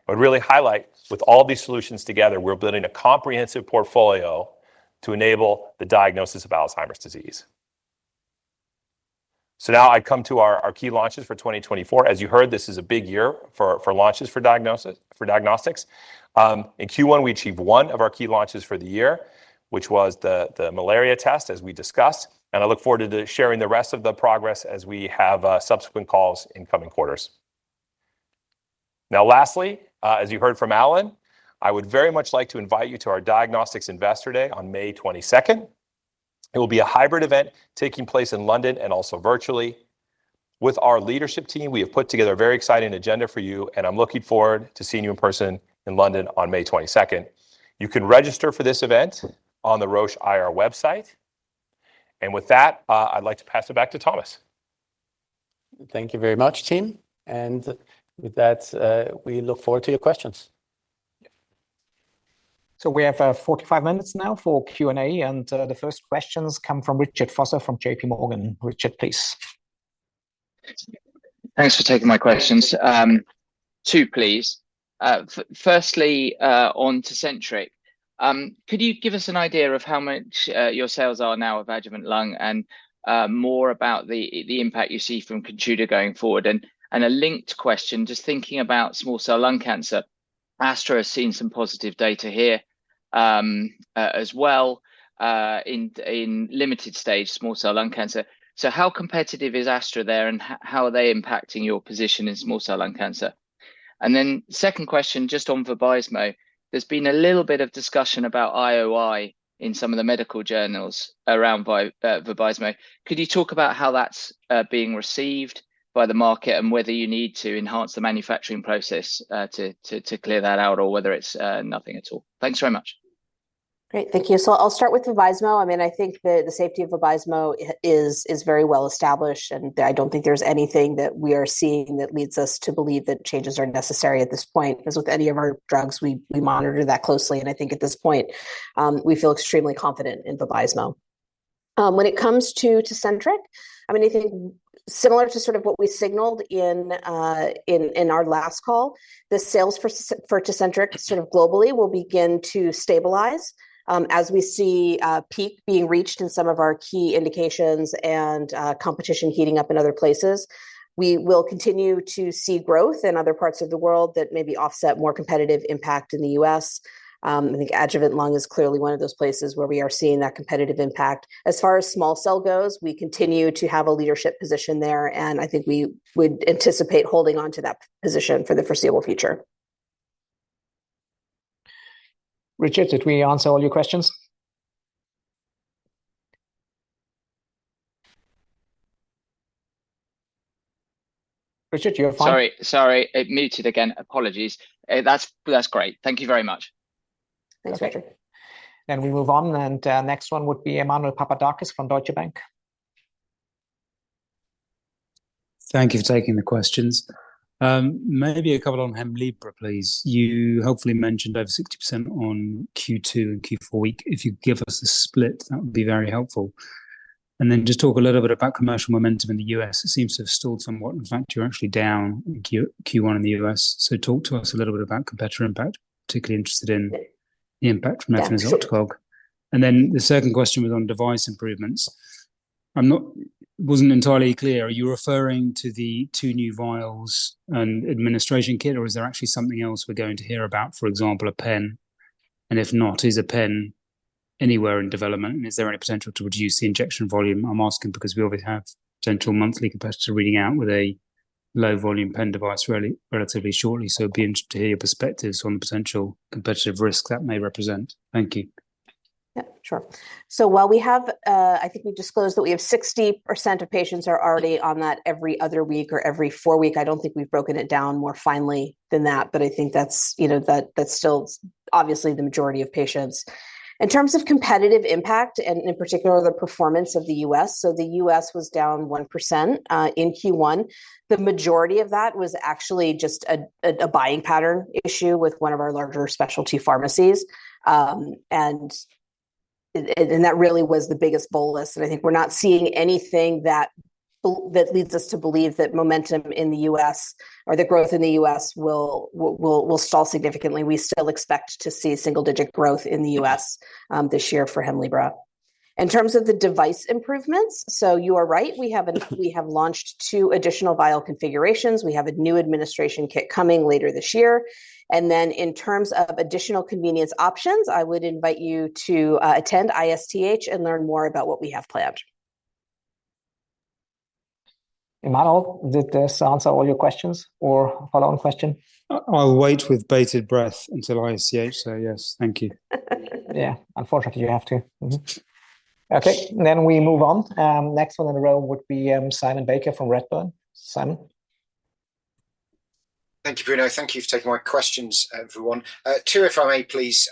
Speaker 5: I would really highlight, with all these solutions together, we're building a comprehensive portfolio to enable the diagnosis of Alzheimer's disease. Now I'd come to our key launches for 2024. As you heard, this is a big year for launches for diagnostics. In Q1, we achieved one of our key launches for the year, which was the malaria test, as we discussed. I look forward to sharing the rest of the progress as we have subsequent calls in coming quarters. Now, lastly, as you heard from Alan, I would very much like to invite you to our Diagnostics Investor Day on May 22nd. It will be a hybrid event taking place in London and also virtually. With our leadership team, we have put together a very exciting agenda for you. And I'm looking forward to seeing you in person in London on May 22nd. You can register for this event on the Roche IR website. And with that, I'd like to pass it back to Thomas.
Speaker 2: Thank you very much, team. With that, we look forward to your questions.
Speaker 1: We have 45 minutes now for Q&A. The first questions come from Richard Foster from JPMorgan. Richard, please.
Speaker 6: Thanks for taking my questions. Two, please. Firstly, on Tecentriq, could you give us an idea of how much your sales are now of adjuvant lung and more about the impact you see from Imfinzi going forward? And a linked question, just thinking about small cell lung cancer. Astra has seen some positive data here as well in limited-stage small cell lung cancer. So how competitive is Astra there? And how are they impacting your position in small cell lung cancer? And then second question, just on Vabysmo, there's been a little bit of discussion about IOI in some of the medical journals around Vabysmo. Could you talk about how that's being received by the market and whether you need to enhance the manufacturing process to clear that out or whether it's nothing at all? Thanks very much.
Speaker 4: Great. Thank you. So I'll start with Vabysmo. I mean, I think the safety of Vabysmo is very well established. And I don't think there's anything that we are seeing that leads us to believe that changes are necessary at this point. Because with any of our drugs, we monitor that closely. And I think at this point, we feel extremely confident in Vabysmo. When it comes to Tecentriq, I mean, I think similar to sort of what we signaled in our last call, the sales for Tecentriq sort of globally will begin to stabilize. As we see a peak being reached in some of our key indications and competition heating up in other places, we will continue to see growth in other parts of the world that may offset more competitive impact in the US. I think adjuvant lung is clearly one of those places where we are seeing that competitive impact. As far as small cell goes, we continue to have a leadership position there. And I think we would anticipate holding onto that position for the foreseeable future.
Speaker 1: Richard, did we answer all your questions? Richard, you're fine.
Speaker 6: Sorry. Sorry. Muted again. Apologies. That's great. Thank you very much.
Speaker 4: Thanks, Richard.
Speaker 1: We move on. Next one would be Emmanuel Papadakis from Deutsche Bank.
Speaker 7: Thank you for taking the questions. Maybe a couple on Hemlibra, please. You hopefully mentioned over 60% on Q2 and Q4 week. If you give us a split, that would be very helpful. And then just talk a little bit about commercial momentum in the U.S. It seems to have stalled somewhat. In fact, you're actually down in Q1 in the U.S. So talk to us a little bit about competitor impact. Particularly interested in the impact from efanesoctocog. And then the second question was on device improvements. I wasn't entirely clear. Are you referring to the two new vials and administration kit? Or is there actually something else we're going to hear about, for example, a pen? And if not, is a pen anywhere in development? And is there any potential to reduce the injection volume? I'm asking because we obviously have potential monthly competitor reading out with a low-volume pen device relatively shortly. So it'd be interesting to hear your perspectives on the potential competitive risk that may represent. Thank you.
Speaker 4: Yeah, sure. So while we have, I think we disclosed that we have 60% of patients are already on that every other week or every four weeks. I don't think we've broken it down more finely than that. But I think that's still obviously the majority of patients. In terms of competitive impact and in particular, the performance of the U.S., so the U.S. was down 1% in Q1. The majority of that was actually just a buying pattern issue with one of our larger specialty pharmacies. And that really was the biggest bolus. And I think we're not seeing anything that leads us to believe that momentum in the U.S. or the growth in the U.S. will stall significantly. We still expect to see single-digit growth in the U.S. this year for Hemlibra. In terms of the device improvements, so you are right. We have launched two additional vial configurations. We have a new administration kit coming later this year. And then in terms of additional convenience options, I would invite you to attend ISTH and learn more about what we have planned.
Speaker 5: Emmanuel, did this answer all your questions or follow-on question?
Speaker 7: I'll wait with bated breath until ISTH. So yes, thank you.
Speaker 1: Yeah. Unfortunately, you have to. Okay. Then we move on. Next one in a row would be Simon Baker from Redburn. Simon?
Speaker 8: Thank you, Bruno. Thank you for taking my questions, everyone. Two, if I may, please.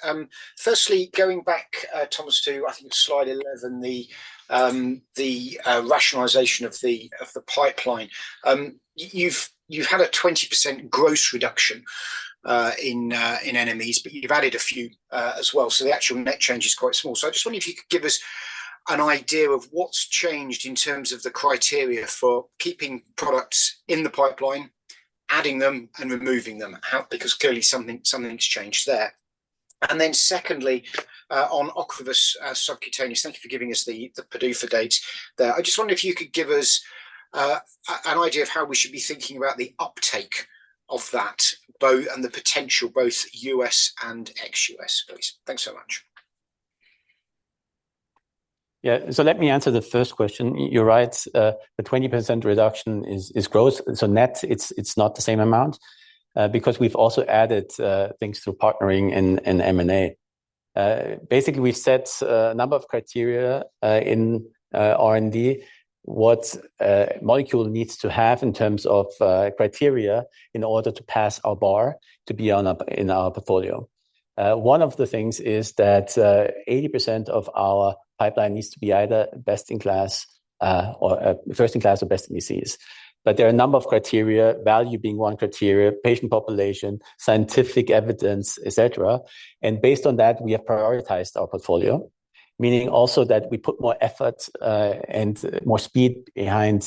Speaker 8: Firstly, going back, Thomas, to, I think, slide 11, the rationalization of the pipeline. You've had a 20% gross reduction in NMEs, but you've added a few as well. So the actual net change is quite small. So I just wonder if you could give us an idea of what's changed in terms of the criteria for keeping products in the pipeline, adding them, and removing them because clearly, something's changed there. And then secondly, on Ocrevus subcutaneous thank you for giving us the PDUFA dates there. I just wonder if you could give us an idea of how we should be thinking about the uptake of that and the potential both U.S. and ex-U.S., please. Thanks so much.
Speaker 3: Yeah. So let me answer the first question. You're right. The 20% reduction is gross. So net, it's not the same amount because we've also added things through partnering and Mim8. Basically, we've set a number of criteria in R&D, what a molecule needs to have in terms of criteria in order to pass our bar to be in our portfolio. One of the things is that 80% of our pipeline needs to be either best in class or first in class or best in disease. But there are a number of criteria, value being one criteria, patient population, scientific evidence, etc. And based on that, we have prioritized our portfolio, meaning also that we put more effort and more speed behind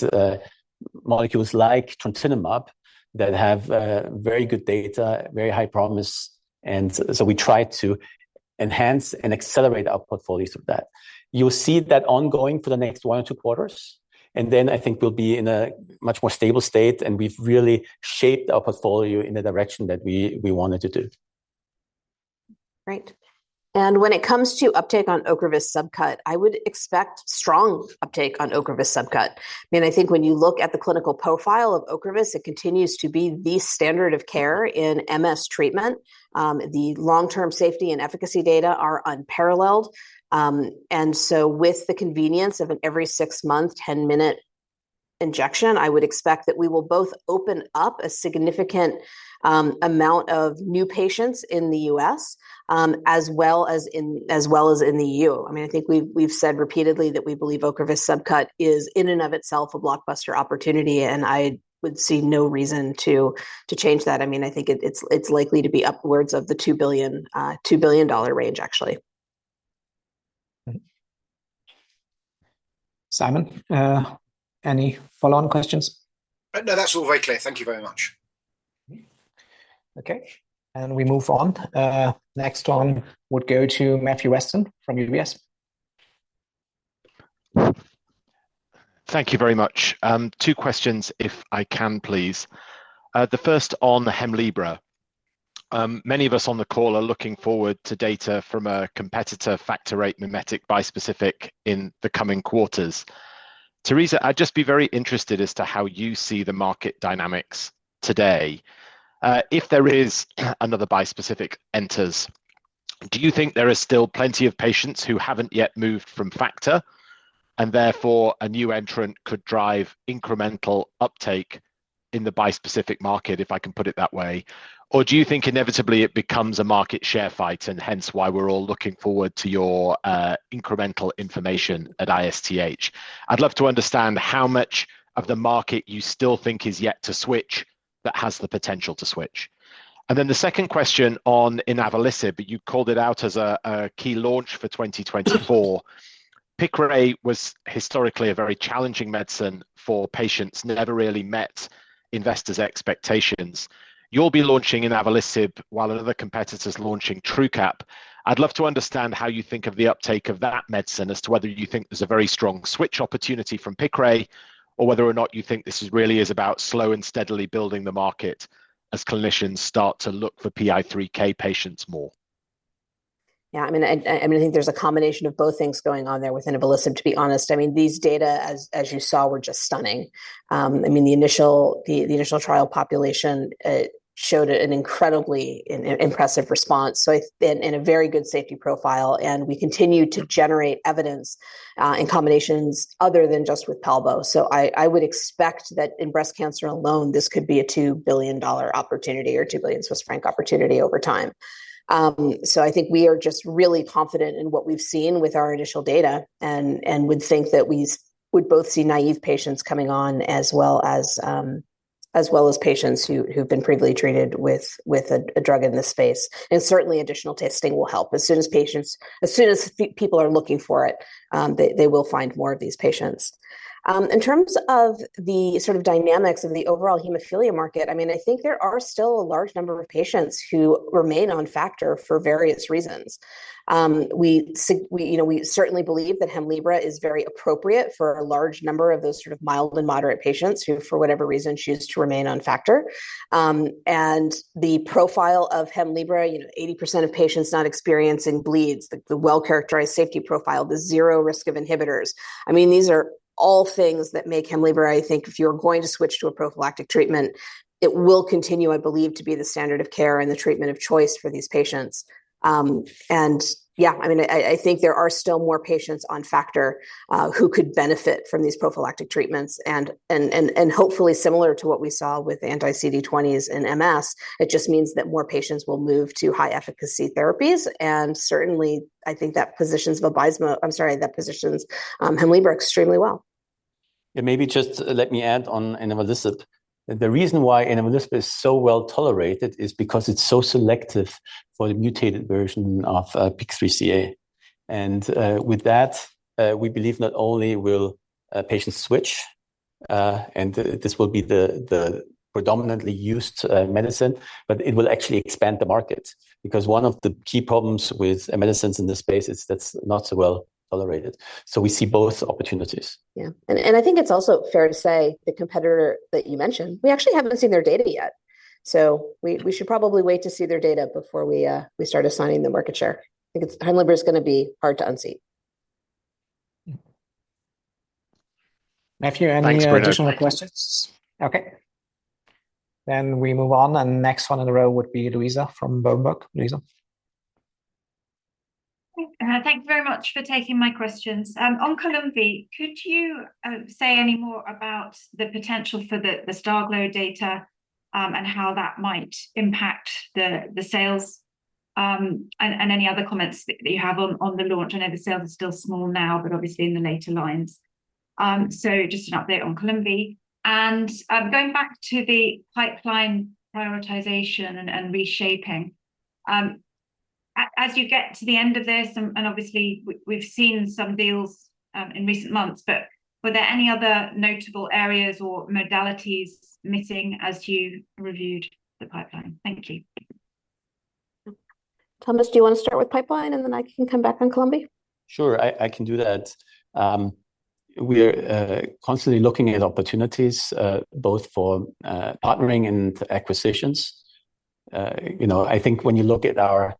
Speaker 3: molecules like trontinemab that have very good data, very high promise. And so we try to enhance and accelerate our portfolio through that. You'll see that ongoing for the next one or two quarters. And then I think we'll be in a much more stable state. And we've really shaped our portfolio in the direction that we wanted to do.
Speaker 4: Great. And when it comes to uptake on Ocrevus subcut, I would expect strong uptake on Ocrevus subcut. I mean, I think when you look at the clinical profile of Ocrevus, it continues to be the standard of care in MS treatment. The long-term safety and efficacy data are unparalleled. And so with the convenience of an every-six-month, 10-minute injection, I would expect that we will both open up a significant amount of new patients in the U.S. as well as in the E.U. I mean, I think we've said repeatedly that we believe Ocrevus subcut is in and of itself a blockbuster opportunity. And I would see no reason to change that. I mean, I think it's likely to be upwards of the $2 billion range, actually.
Speaker 5: Simon, any follow-on questions?
Speaker 9: No, that's all very clear. Thank you very much.
Speaker 5: Okay. And we move on. Next one would go to Matthew Weston from UBS.
Speaker 8: Thank you very much. Two questions, if I can, please. The first on Hemlibra. Many of us on the call are looking forward to data from a competitor, Factor VIII mimetic bispecific in the coming quarters. Teresa, I'd just be very interested as to how you see the market dynamics today. If there is another bispecific enters, do you think there are still plenty of patients who haven't yet moved from Factor? And therefore, a new entrant could drive incremental uptake in the bispecific market, if I can put it that way. Or do you think inevitably it becomes a market share fight and hence why we're all looking forward to your incremental information at ISTH? I'd love to understand how much of the market you still think is yet to switch that has the potential to switch. Then the second question on inavolisib, but you called it out as a key launch for 2024. Piqray was historically a very challenging medicine for patients, never really met investors' expectations. You'll be launching inavolisib while another competitor's launching Truqap. I'd love to understand how you think of the uptake of that medicine as to whether you think there's a very strong switch opportunity from Piqray or whether or not you think this really is about slow and steadily building the market as clinicians start to look for PI3K patients more.
Speaker 4: Yeah. I mean, I think there's a combination of both things going on there with inavolisib, to be honest. I mean, these data, as you saw, were just stunning. I mean, the initial trial population showed an incredibly impressive response and a very good safety profile. And we continue to generate evidence in combinations other than just with Palbo. So I would expect that in breast cancer alone, this could be a $2 billion opportunity or 2 billion Swiss franc opportunity over time. So I think we are just really confident in what we've seen with our initial data and would think that we would both see naive patients coming on as well as patients who've been previously treated with a drug in this space. And certainly, additional testing will help. As soon as people are looking for it, they will find more of these patients. In terms of the sort of dynamics of the overall hemophilia market, I mean, I think there are still a large number of patients who remain on Factor for various reasons. We certainly believe that Hemlibra is very appropriate for a large number of those sort of mild and moderate patients who, for whatever reason, choose to remain on Factor. And the profile of Hemlibra, 80% of patients not experiencing bleeds, the well-characterized safety profile, the zero risk of inhibitors. I mean, these are all things that make Hemlibra, I think, if you're going to switch to a prophylactic treatment, it will continue, I believe, to be the standard of care and the treatment of choice for these patients. And yeah, I mean, I think there are still more patients on Factor who could benefit from these prophylactic treatments. Hopefully, similar to what we saw with anti-CD20s in MS, it just means that more patients will move to high-efficacy therapies. Certainly, I think that positions Vabysmo, I'm sorry, that positions Hemlibra extremely well.
Speaker 3: Maybe just let me add on inavolisib. The reason why inavolisib is so well tolerated is because it's so selective for the mutated version of PIK3CA. With that, we believe not only will patients switch, and this will be the predominantly used medicine, but it will actually expand the market because one of the key problems with medicines in this space is that's not so well tolerated. We see both opportunities.
Speaker 4: Yeah. And I think it's also fair to say the competitor that you mentioned, we actually haven't seen their data yet. So we should probably wait to see their data before we start assigning the market share. I think Hemlibra is going to be hard to unseat.
Speaker 5: Matthew, any additional questions?
Speaker 8: Thanks, Bruno.
Speaker 5: Okay. Then we move on. Next one in a row would be Luisa from Berenberg. Luisa?
Speaker 10: Thank you very much for taking my questions. On Columvi, could you say any more about the potential for the STARGLO data and how that might impact the sales and any other comments that you have on the launch? I know the sales are still small now, but obviously, in the later lines. So just an update on Columvi. And going back to the pipeline prioritization and reshaping, as you get to the end of this and obviously, we've seen some deals in recent months. But were there any other notable areas or modalities missing as you reviewed the pipeline? Thank you.
Speaker 4: Thomas, do you want to start with pipeline? And then I can come back on Columvi.
Speaker 2: Sure. I can do that. We're constantly looking at opportunities both for partnering and acquisitions. I think when you look at our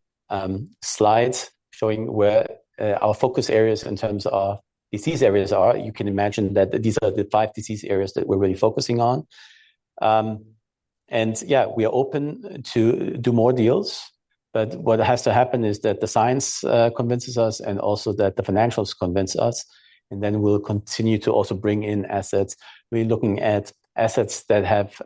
Speaker 2: slides showing where our focus areas in terms of disease areas are, you can imagine that these are the five disease areas that we're really focusing on. And yeah, we are open to do more deals. But what has to happen is that the science convinces us and also that the financials convince us. And then we'll continue to also bring in assets. We're looking at assets that have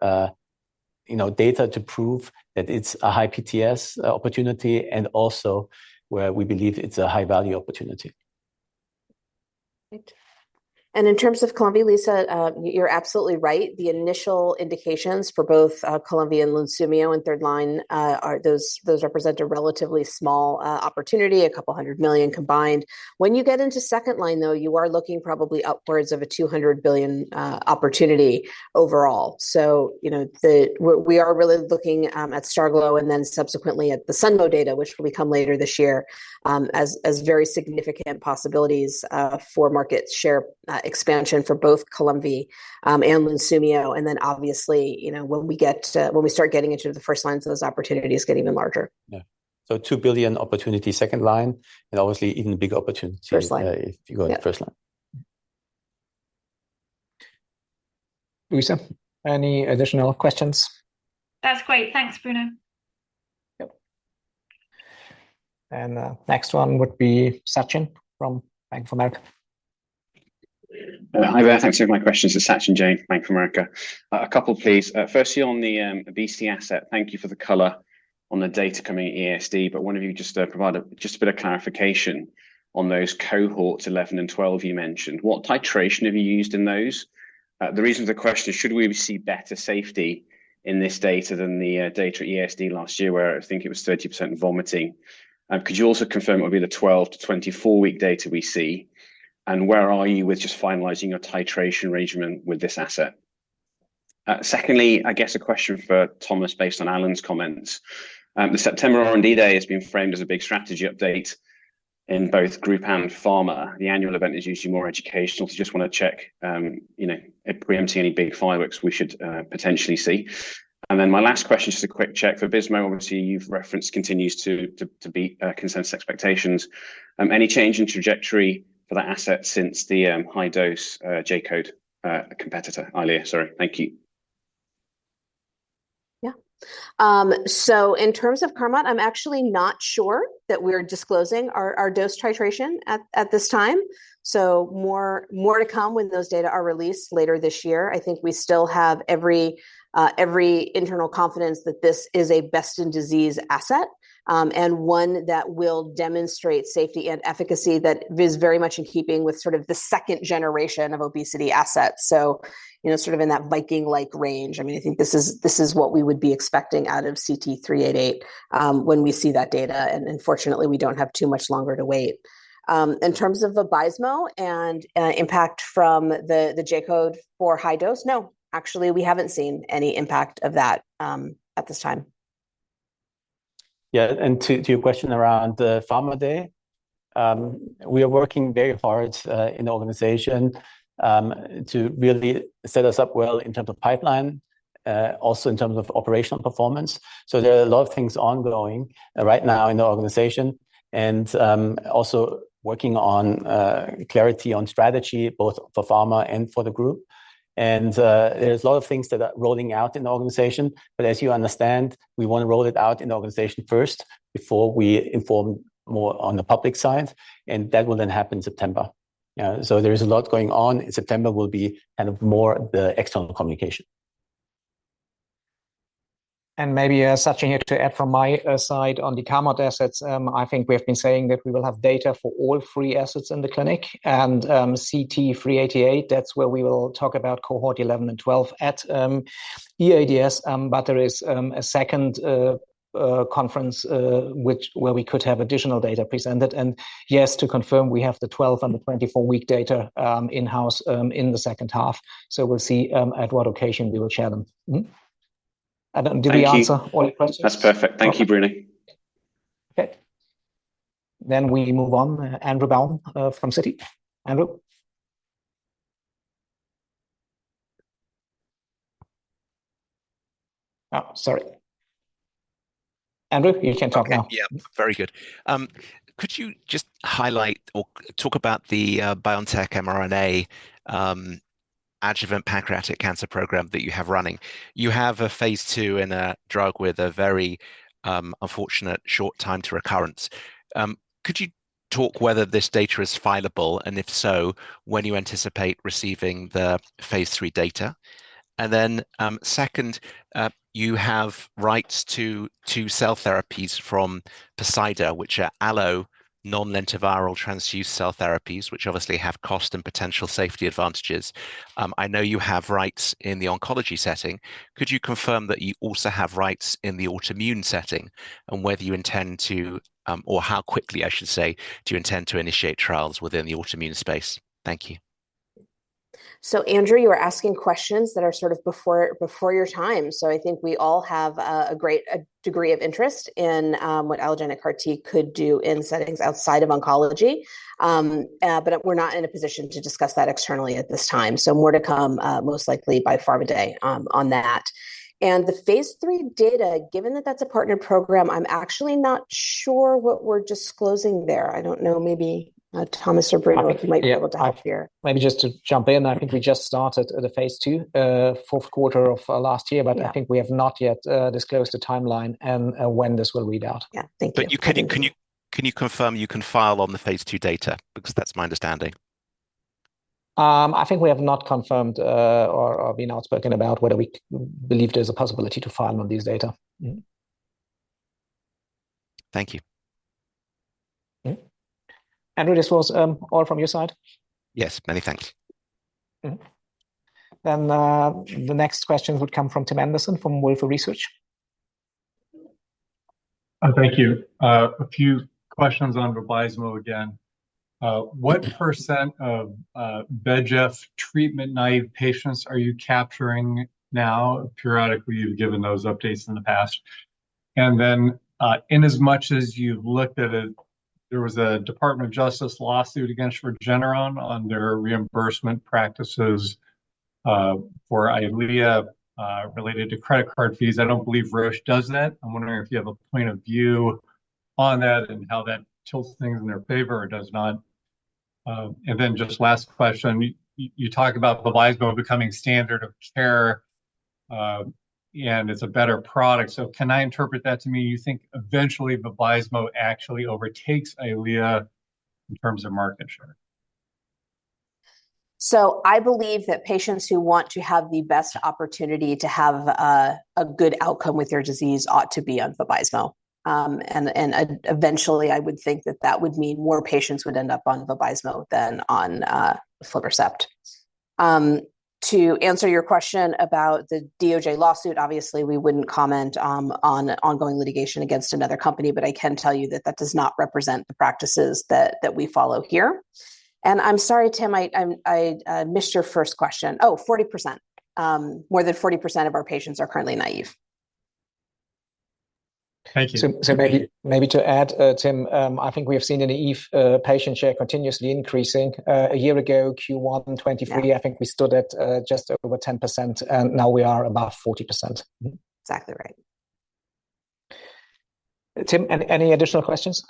Speaker 2: data to prove that it's a high PTS opportunity and also where we believe it's a high-value opportunity.
Speaker 4: Great. And in terms of Columvi, Luisa, you're absolutely right. The initial indications for both Columvi and Lunsumio and third line, those represent a relatively small opportunity, $200 million combined. When you get into second line, though, you are looking probably upwards of a $200 billion opportunity overall. So we are really looking at STARGLO and then subsequently at the SunMo data, which will come later this year as very significant possibilities for market share expansion for both Columvi and Lunsumio. And then obviously, when we start getting into the first lines, those opportunities get even larger.
Speaker 3: Yeah. So, 2 billion opportunity second line and obviously, even bigger opportunity.
Speaker 4: First line.
Speaker 3: If you go to the first line.
Speaker 5: Luisa, any additional questions?
Speaker 10: That's great. Thanks, Bruno.
Speaker 5: Yep. Next one would be Sachin from Bank of America.
Speaker 11: Hi there. Thanks for my questions. It's Sachin Jain, Bank of America. A couple, please. Firstly, on the BC asset, thank you for the color on the data coming at EASD. But wanted you to just provide just a bit of clarification on those cohorts 11 and 12 you mentioned. What titration have you used in those? The reason for the question is, should we see better safety in this data than the data at EASD last year where I think it was 30% vomiting? Could you also confirm what would be the 12-24-week data we see? And where are you with just finalizing your titration regimen with this asset? Secondly, I guess a question for Thomas based on Alan's comments. The September R&D Day has been framed as a big strategy update in both group and pharma. The annual event is usually more educational. Just want to check preempting any big fireworks we should potentially see. And then my last question, just a quick check. For Vabysmo, obviously, you've referenced continues to beat consensus expectations. Any change in trajectory for that asset since the high-dose J-code competitor? Eylea, sorry. Thank you.
Speaker 4: Yeah. So in terms of Carmot, I'm actually not sure that we're disclosing our dose titration at this time. So more to come when those data are released later this year. I think we still have every internal confidence that this is a best-in-disease asset and one that will demonstrate safety and efficacy that is very much in keeping with sort of the second generation of obesity assets. So sort of in that Viking-like range. I mean, I think this is what we would be expecting out of CT388 when we see that data. And unfortunately, we don't have too much longer to wait. In terms of Vabysmo and impact from the J-code for high dose, no, actually, we haven't seen any impact of that at this time.
Speaker 3: Yeah. And to your question around the Pharma Day, we are working very hard in the organization to really set us up well in terms of pipeline, also in terms of operational performance. So there are a lot of things ongoing right now in the organization and also working on clarity on strategy both for pharma and for the group. And there's a lot of things that are rolling out in the organization. But as you understand, we want to roll it out in the organization first before we inform more on the public side. And that will then happen in September. So there is a lot going on. September will be kind of more the external communication.
Speaker 1: Maybe Sachin here to add from my side on the Carmot assets. I think we have been saying that we will have data for all three assets in the clinic. CT388, that's where we will talk about cohort 11 and 12 at EADS. But there is a second conference where we could have additional data presented. Yes, to confirm, we have the 12- and 24-week data in-house in the second half. We'll see at what occasion we will share them. Did we answer all your questions?
Speaker 12: That's perfect. Thank you, Bruno.
Speaker 1: Okay. Then we move on. Andrew Baum from Citi. Andrew? Oh, sorry. Andrew, you can talk now.
Speaker 13: Yeah. Very good. Could you just highlight or talk about the BioNTech mRNA adjuvant pancreatic cancer program that you have running? You have a phase II in a drug with a very unfortunate short time to recurrence. Could you talk whether this data is fileable? And if so, when you anticipate receiving the phase III data? And then second, you have rights to cell therapies from Poseida, which are allogeneic non-lentiviral transduced cell therapies, which obviously have cost and potential safety advantages. I know you have rights in the oncology setting. Could you confirm that you also have rights in the autoimmune setting and whether you intend to or how quickly, I should say, do you intend to initiate trials within the autoimmune space? Thank you.
Speaker 4: So Andrew, you are asking questions that are sort of before your time. So I think we all have a great degree of interest in what allogeneic CAR-T could do in settings outside of oncology. But we're not in a position to discuss that externally at this time. So more to come most likely by Pharma Day on that. And the phase III data, given that that's a partnered program, I'm actually not sure what we're disclosing there. I don't know. Maybe Thomas or Bruno, if you might be able to help here.
Speaker 2: Maybe just to jump in. I think we just started at a phase II fourth quarter of last year. But I think we have not yet disclosed a timeline and when this will read out.
Speaker 4: Yeah. Thank you.
Speaker 13: Can you confirm you can file on the phase II data? Because that's my understanding.
Speaker 2: I think we have not confirmed or been outspoken about whether we believe there's a possibility to file on these data.
Speaker 13: Thank you.
Speaker 2: Andrew, this was all from your side?
Speaker 13: Yes. Many thanks.
Speaker 1: The next questions would come from Tim Anderson from Wolfe Research.
Speaker 14: Thank you. A few questions on Vabysmo again. What percent of VEGF treatment-naive patients are you capturing now periodically? You've given those updates in the past. And then inasmuch as you've looked at it, there was a Department of Justice lawsuit against Regeneron on their reimbursement practices for Eylea related to credit card fees. I don't believe Roche does that. I'm wondering if you have a point of view on that and how that tilts things in their favor or does not. And then just last question. You talk about Vabysmo becoming standard of care, and it's a better product. So can I interpret that to mean you think eventually, Vabysmo actually overtakes Eylea in terms of market share?
Speaker 4: So I believe that patients who want to have the best opportunity to have a good outcome with their disease ought to be on Vabysmo. And eventually, I would think that that would mean more patients would end up on Vabysmo than on aflibercept. To answer your question about the DOJ lawsuit, obviously, we wouldn't comment on ongoing litigation against another company. But I can tell you that that does not represent the practices that we follow here. And I'm sorry, Tim. I missed your first question. Oh, 40%. More than 40% of our patients are currently naive.
Speaker 14: Thank you.
Speaker 5: So maybe to add, Tim, I think we have seen the naive patient share continuously increasing. A year ago, Q1 2023, I think we stood at just over 10%. And now we are above 40%.
Speaker 4: Exactly right.
Speaker 5: Tim, any additional questions?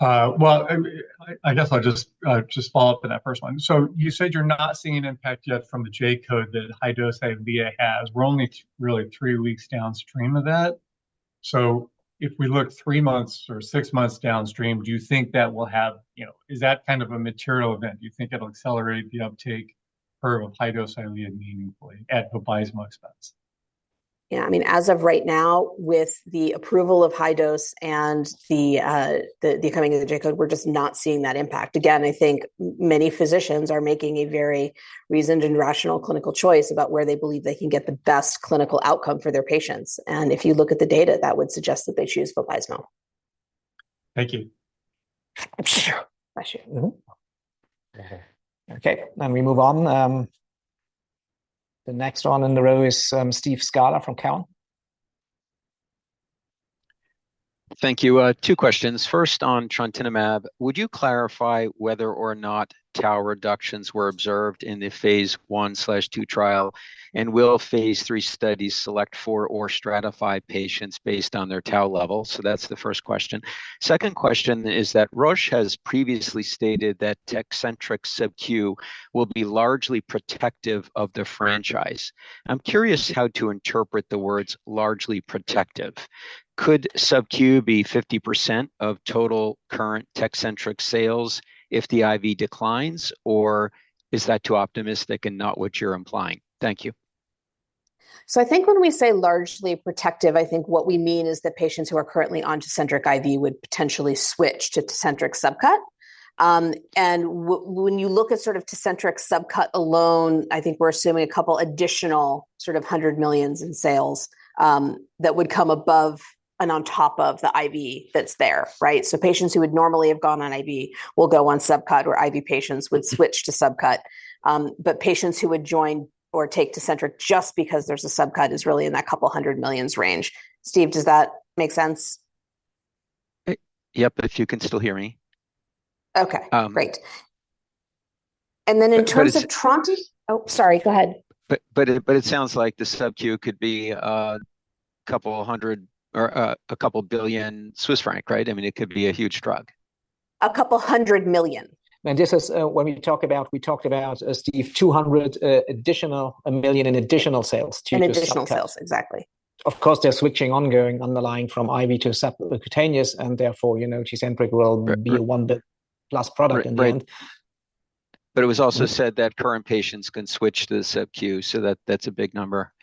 Speaker 14: Well, I guess I'll just follow up on that first one. So you said you're not seeing an impact yet from the J-code that high-dose Eylea has. We're only really three weeks downstream of that. So if we look three months or six months downstream, do you think that will have is that kind of a material event? Do you think it'll accelerate the uptake curve of high-dose Eylea meaningfully at Vabysmo's expense?
Speaker 4: Yeah. I mean, as of right now, with the approval of high-dose and the coming of the J-code, we're just not seeing that impact. Again, I think many physicians are making a very reasoned and rational clinical choice about where they believe they can get the best clinical outcome for their patients. And if you look at the data, that would suggest that they choose Vabysmo.
Speaker 14: Thank you.
Speaker 1: Okay. Then we move on. The next one in the row is Steve Scala from Cowen.
Speaker 15: Thank you. Two questions. First, on trontinemab, would you clarify whether or not tau reductions were observed in the phase one/two trial? And will phase III studies select for or stratify patients based on their tau level? So that's the first question. Second question is that Roche has previously stated that Tecentriq's sub-Q will be largely protective of the franchise. I'm curious how to interpret the words largely protective. Could sub-Q be 50% of total current Tecentriq sales if the IV declines? Or is that too optimistic and not what you're implying? Thank you.
Speaker 4: So I think when we say largely protective, I think what we mean is that patients who are currently on Tecentriq IV would potentially switch to Tecentriq subcut. And when you look at sort of Tecentriq subcut alone, I think we're assuming a couple additional sort of 100 million in sales that would come above and on top of the IV that's there, right? So patients who would normally have gone on IV will go on subcut where IV patients would switch to subcut. But patients who would join or take Tecentriq just because there's a subcut is really in that couple hundred million range. Steve, does that make sense?
Speaker 15: Yep. But if you can still hear me.
Speaker 4: Okay. Great. And then in terms of trontinemab, oh, sorry. Go ahead.
Speaker 15: But it sounds like the sub-Q could be a couple hundred or a couple billion Swiss frank, right? I mean, it could be a huge drug.
Speaker 4: 200 million.
Speaker 5: This is when we talked about, Steve, 200 million in additional sales to just subcut.
Speaker 4: In additional sales. Exactly.
Speaker 5: Of course, they're switching ongoing underlying from IV to subcutaneous. Therefore, Tecentriq will be a one-bill-plus product in the end.
Speaker 15: But it was also said that current patients can switch to the sub-Q. So that's a big number.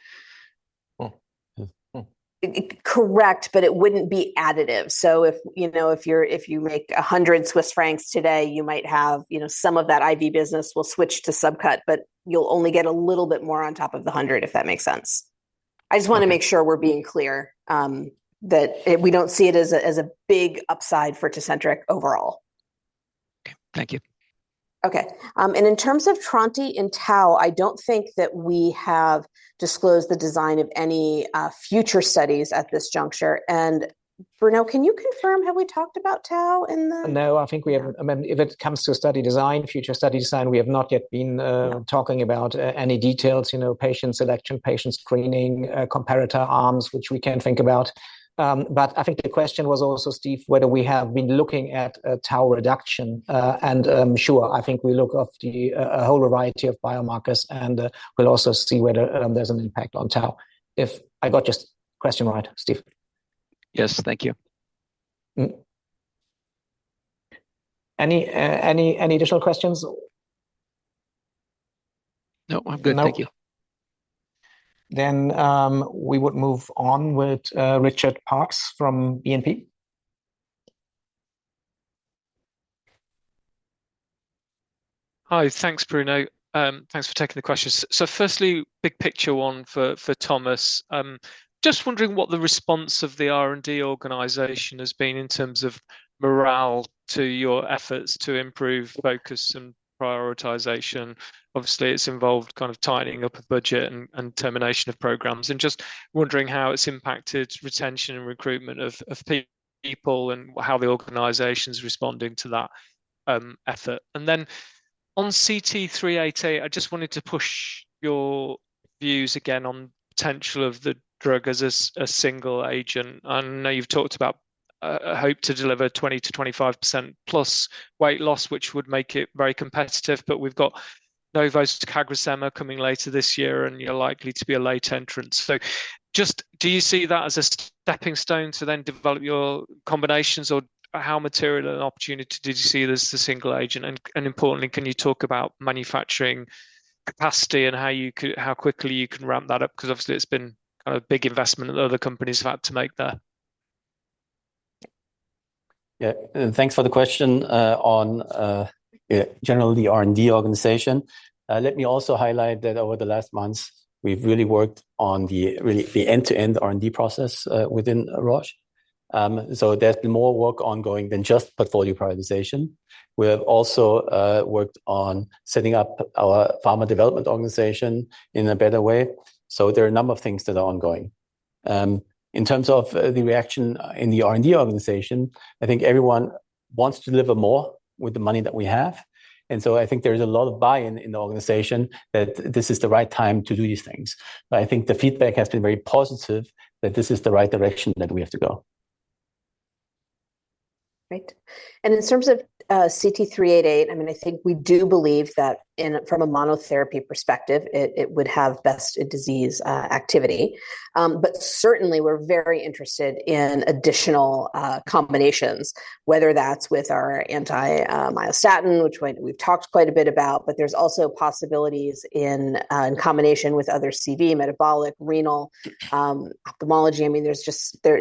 Speaker 4: Correct. But it wouldn't be additive. So if you make 100 Swiss francs today, you might have some of that IV business will switch to subcut. But you'll only get a little bit more on top of the 100, if that makes sense. I just want to make sure we're being clear that we don't see it as a big upside for Tecentriq overall.
Speaker 15: Okay. Thank you.
Speaker 4: Okay. In terms of trontinemab and tau, I don't think that we have disclosed the design of any future studies at this juncture. Bruno, can you confirm, have we talked about tau in the?
Speaker 1: No. I think we have. I mean, if it comes to a study design, future study design, we have not yet been talking about any details, patient selection, patient screening, comparator arms, which we can't think about. But I think the question was also, Steve, whether we have been looking at tau reduction. And sure, I think we look at a whole variety of biomarkers. And we'll also see whether there's an impact on tau. If I got just the question right, Steve.
Speaker 15: Yes. Thank you.
Speaker 5: Any additional questions?
Speaker 15: No. I'm good. Thank you.
Speaker 1: We would move on with Richard Parkes from BNP.
Speaker 16: Hi. Thanks, Bruno. Thanks for taking the questions. So firstly, big picture one for Thomas. Just wondering what the response of the R&D organization has been in terms of morale to your efforts to improve focus and prioritization. Obviously, it's involved kind of tightening up the budget and termination of programs. And just wondering how it's impacted retention and recruitment of people and how the organization's responding to that effort. And then on CT388, I just wanted to push your views again on the potential of the drug as a single agent. I know you've talked about a hope to deliver 20%-25%+ weight loss, which would make it very competitive. But we've got Novo's CagriSema coming later this year. And you're likely to be a late entrant. So just do you see that as a stepping stone to then develop your combinations? Or how material an opportunity did you see as the single agent? And importantly, can you talk about manufacturing capacity and how quickly you can ramp that up? Because obviously, it's been kind of a big investment that other companies have had to make there.
Speaker 2: Yeah. Thanks for the question on generally the R&D organization. Let me also highlight that over the last months, we've really worked on the end-to-end R&D process within Roche. There's been more work ongoing than just portfolio prioritization. We have also worked on setting up our pharma development organization in a better way. There are a number of things that are ongoing. In terms of the reaction in the R&D organization, I think everyone wants to deliver more with the money that we have. So I think there is a lot of buy-in in the organization that this is the right time to do these things. I think the feedback has been very positive that this is the right direction that we have to go.
Speaker 4: Great. And in terms of CT388, I mean, I think we do believe that from a monotherapy perspective, it would have best disease activity. But certainly, we're very interested in additional combinations, whether that's with our anti-myostatin, which we've talked quite a bit about. But there's also possibilities in combination with other CV, metabolic, renal, ophthalmology. I mean,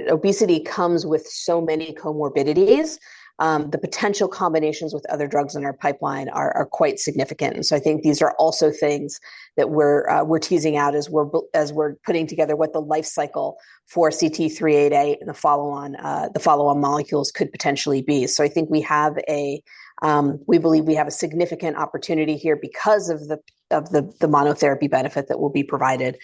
Speaker 4: obesity comes with so many comorbidities. The potential combinations with other drugs in our pipeline are quite significant. And so I think these are also things that we're teasing out as we're putting together what the lifecycle for CT388 and the follow-on molecules could potentially be. So I think we believe we have a significant opportunity here because of the monotherapy benefit that will be provided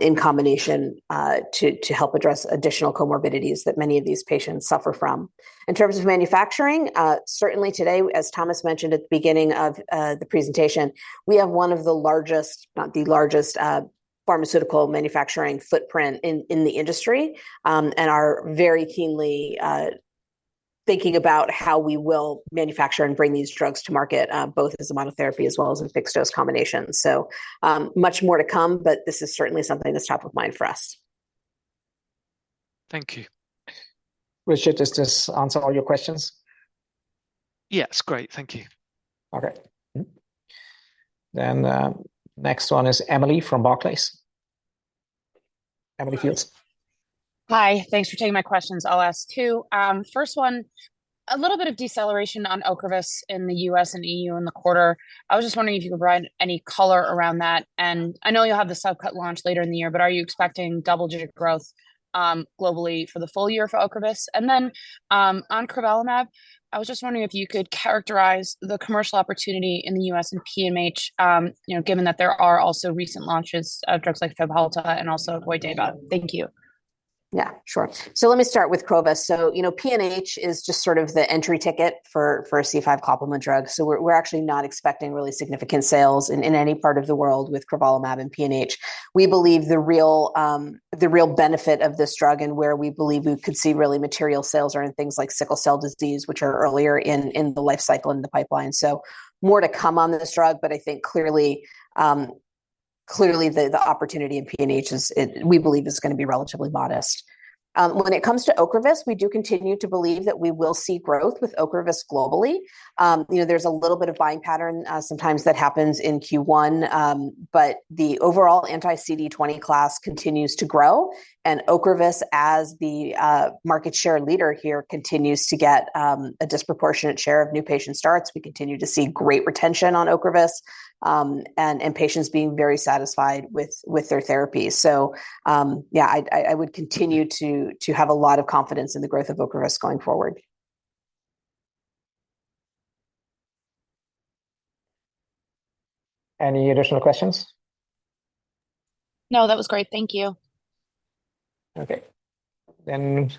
Speaker 4: in combination to help address additional comorbidities that many of these patients suffer from. In terms of manufacturing, certainly today, as Thomas mentioned at the beginning of the presentation, we have one of the largest, not the largest, pharmaceutical manufacturing footprint in the industry and are very keenly thinking about how we will manufacture and bring these drugs to market, both as a monotherapy as well as in fixed-dose combinations. So much more to come. But this is certainly something that's top of mind for us.
Speaker 16: Thank you.
Speaker 5: Richard, does this answer all your questions?
Speaker 16: Yes. Great. Thank you.
Speaker 1: All right. Then next one is Emily from Barclays. Emily Field.
Speaker 17: Hi. Thanks for taking my questions. I'll ask two. First one, a little bit of deceleration on Ocrevus in the U.S. and EU in the quarter. I was just wondering if you could provide any color around that. And I know you'll have the subcut launch later in the year. But are you expecting double-digit growth globally for the full year for Ocrevus? And then on crovalimab, I was just wondering if you could characterize the commercial opportunity in the U.S. and PNH, given that there are also recent launches of drugs like Fabhalta and also Voydeya. Thank you.
Speaker 4: Yeah. Sure. So let me start with crovalimab. So PNH is just sort of the entry ticket for a C5 complement drug. So we're actually not expecting really significant sales in any part of the world with crovalimab and PNH. We believe the real benefit of this drug and where we believe we could see really material sales are in things like sickle cell disease, which are earlier in the lifecycle in the pipeline. So more to come on this drug. But I think clearly, the opportunity in PNH, we believe, is going to be relatively modest. When it comes to Ocrevus, we do continue to believe that we will see growth with Ocrevus globally. There's a little bit of buying pattern sometimes that happens in Q1. But the overall anti-CD20 class continues to grow. Ocrevus, as the market share leader here, continues to get a disproportionate share of new patient starts. We continue to see great retention on Ocrevus and patients being very satisfied with their therapy. So yeah, I would continue to have a lot of confidence in the growth of Ocrevus going forward.
Speaker 5: Any additional questions?
Speaker 17: No. That was great. Thank you.
Speaker 1: Okay. Then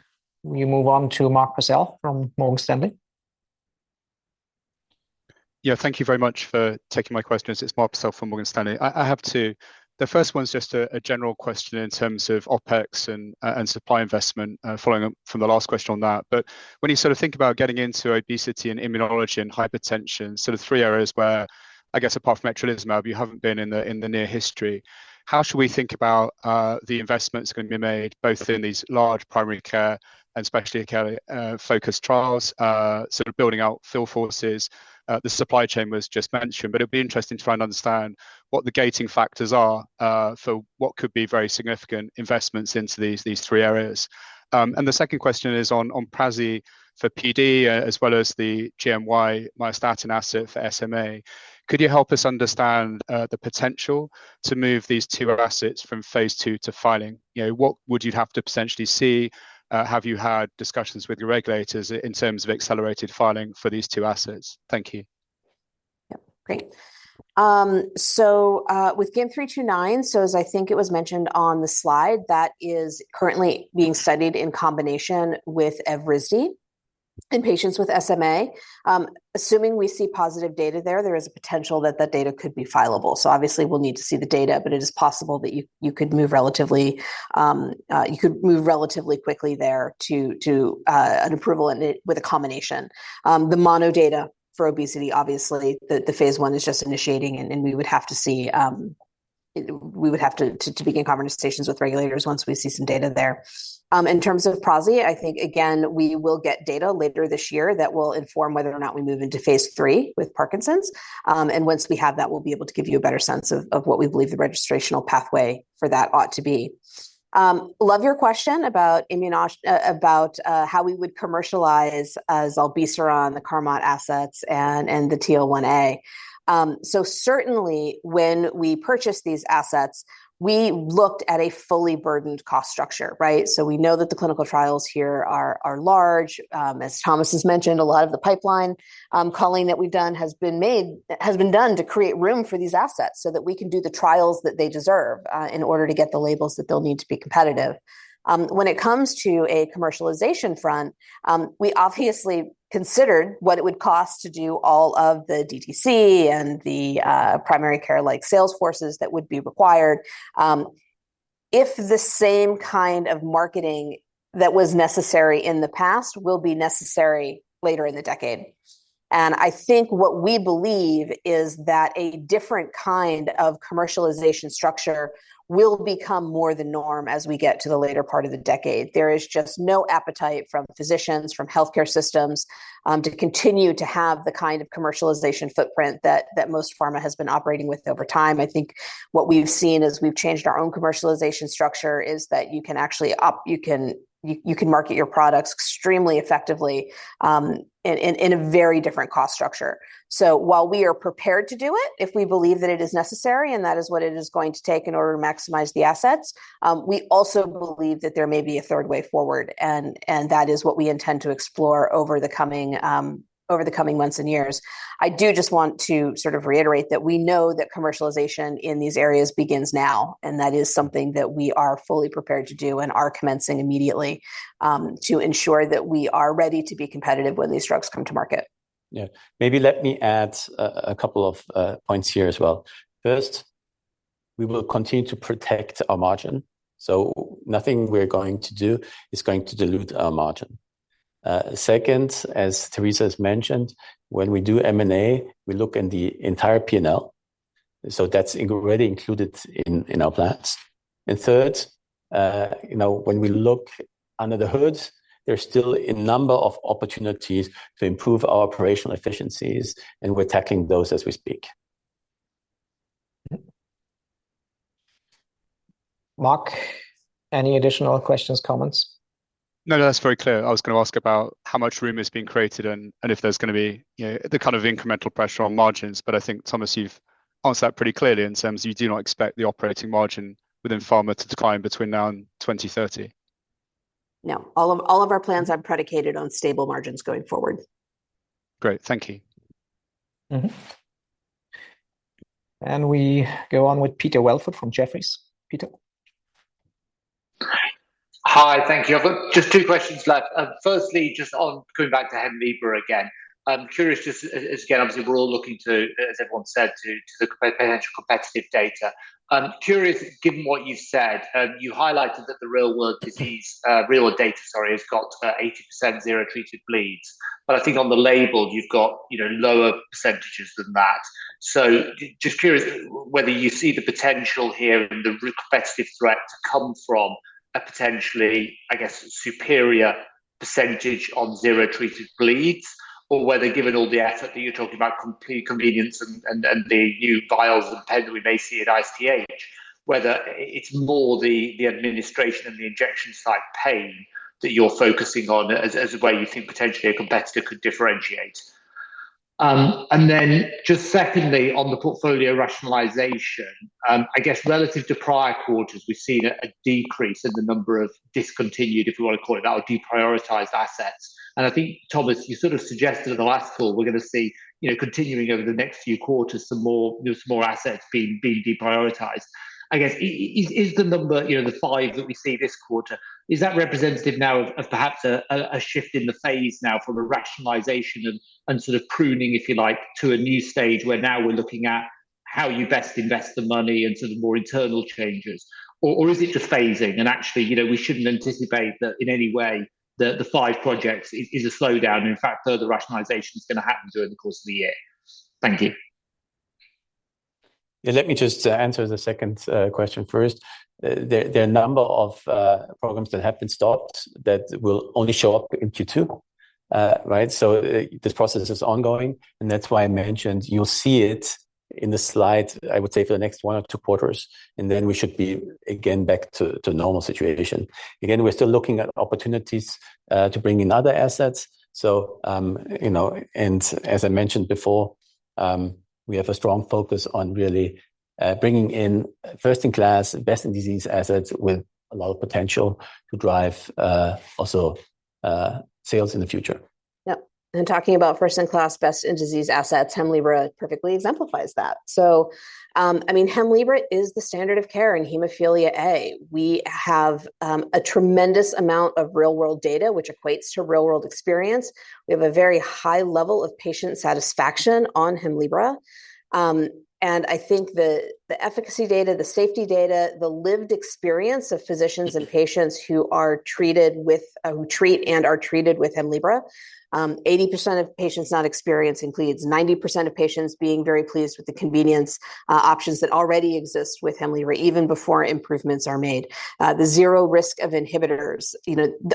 Speaker 1: we move on to Mark Purcell from Morgan Stanley.
Speaker 18: Yeah. Thank you very much for taking my questions. It's Mark Purcell from Morgan Stanley. The first one's just a general question in terms of OpEx and supply investment, following up from the last question on that. But when you sort of think about getting into obesity and immunology and hypertension, sort of three areas where, I guess, apart from etrolizumab, you haven't been in the near history, how should we think about the investments that are going to be made both in these large primary care and specialty care-focused trials, sort of building out field forces? The supply chain was just mentioned. But it would be interesting to try and understand what the gating factors are for what could be very significant investments into these three areas. And the second question is on prasinezumab for PD as well as the GYM329 myostatin asset for SMA. Could you help us understand the potential to move these two assets from phase II to filing? What would you have to potentially see? Have you had discussions with your regulators in terms of accelerated filing for these two assets? Thank you.
Speaker 4: Yep. Great. So with GYM329, so as I think it was mentioned on the slide, that is currently being studied in combination with Evrysdi in patients with SMA. Assuming we see positive data there, there is a potential that that data could be fileable. So obviously, we'll need to see the data. But it is possible that you could move relatively you could move relatively quickly there to an approval with a combination. The mono data for obesity, obviously, the phase I is just initiating. And we would have to see we would have to begin conversations with regulators once we see some data there. In terms of prasinezumab, I think, again, we will get data later this year that will inform whether or not we move into phase III with Parkinson's. Once we have that, we'll be able to give you a better sense of what we believe the registrational pathway for that ought to be. Love your question about how we would commercialize zilebesiran, the Carmot assets, and the TL1A. Certainly, when we purchase these assets, we looked at a fully burdened cost structure, right? We know that the clinical trials here are large. As Thomas has mentioned, a lot of the pipeline culling that we've done has been done to create room for these assets so that we can do the trials that they deserve in order to get the labels that they'll need to be competitive. When it comes to a commercialization front, we obviously considered what it would cost to do all of the DTC and the primary care-like sales forces that would be required if the same kind of marketing that was necessary in the past will be necessary later in the decade. I think what we believe is that a different kind of commercialization structure will become more the norm as we get to the later part of the decade. There is just no appetite from physicians, from healthcare systems to continue to have the kind of commercialization footprint that most pharma has been operating with over time. I think what we've seen as we've changed our own commercialization structure is that you can actually market your products extremely effectively in a very different cost structure. While we are prepared to do it, if we believe that it is necessary and that is what it is going to take in order to maximize the assets, we also believe that there may be a third way forward. That is what we intend to explore over the coming months and years. I do just want to sort of reiterate that we know that commercialization in these areas begins now. That is something that we are fully prepared to do and are commencing immediately to ensure that we are ready to be competitive when these drugs come to market.
Speaker 5: Yeah. Maybe let me add a couple of points here as well. First, we will continue to protect our margin. So nothing we're going to do is going to dilute our margin. Second, as Teresa has mentioned, when we do M&A, we look in the entire P&L. So that's already included in our plans. And third, when we look under the hood, there's still a number of opportunities to improve our operational efficiencies. And we're tackling those as we speak. Mark, any additional questions, comments?
Speaker 18: No. That's very clear. I was going to ask about how much room is being created and if there's going to be the kind of incremental pressure on margins. But I think, Thomas, you've answered that pretty clearly in terms of you do not expect the operating margin within pharma to decline between now and 2030.
Speaker 4: No. All of our plans are predicated on stable margins going forward.
Speaker 18: Great. Thank you.
Speaker 1: We go on with Peter Welford from Jefferies. Peter?
Speaker 19: Hi. Thank you. I've got just two questions left. Firstly, just on coming back to Hemlibra again, curious just as again, obviously, we're all looking to, as everyone said, to the potential competitive data. Curious, given what you've said, you highlighted that the real-world disease real-world data, sorry, has got 80% zero-treated bleeds. But I think on the label, you've got lower percentages than that. So just curious whether you see the potential here in the real competitive threat to come from a potentially, I guess, superior percentage on zero-treated bleeds or whether, given all the effort that you're talking about, complete convenience and the new vials and pens, we may see at ISTH, whether it's more the administration and the injection site pain that you're focusing on as a way you think potentially a competitor could differentiate. Then just secondly, on the portfolio rationalization, I guess relative to prior quarters, we've seen a decrease in the number of discontinued, if you want to call it that, or deprioritized assets. I think, Thomas, you sort of suggested at the last call we're going to see continuing over the next few quarters some more assets being deprioritized. I guess, is the number the five that we see this quarter, is that representative now of perhaps a shift in the phase now from a rationalization and sort of pruning, if you like, to a new stage where now we're looking at how you best invest the money and sort of more internal changes? Or is it just phasing? Actually, we shouldn't anticipate that in any way that the five projects is a slowdown. In fact, further rationalization is going to happen during the course of the year. Thank you.
Speaker 2: Yeah. Let me just answer the second question first. There are a number of programs that have been stopped that will only show up in Q2, right? So this process is ongoing. And that's why I mentioned you'll see it in the slide, I would say, for the next one or two quarters. And then we should be again back to normal situation. Again, we're still looking at opportunities to bring in other assets. And as I mentioned before, we have a strong focus on really bringing in first-in-class, best-in-disease assets with a lot of potential to drive also sales in the future.
Speaker 4: Yep. And talking about first-in-class, best-in-disease assets, Hemlibra perfectly exemplifies that. So I mean, Hemlibra is the standard of care in hemophilia A. We have a tremendous amount of real-world data, which equates to real-world experience. We have a very high level of patient satisfaction on Hemlibra. And I think the efficacy data, the safety data, the lived experience of physicians and patients who are treated with who treat and are treated with Hemlibra, 80% of patients not experienced includes 90% of patients being very pleased with the convenience options that already exist with Hemlibra even before improvements are made, the zero risk of inhibitors.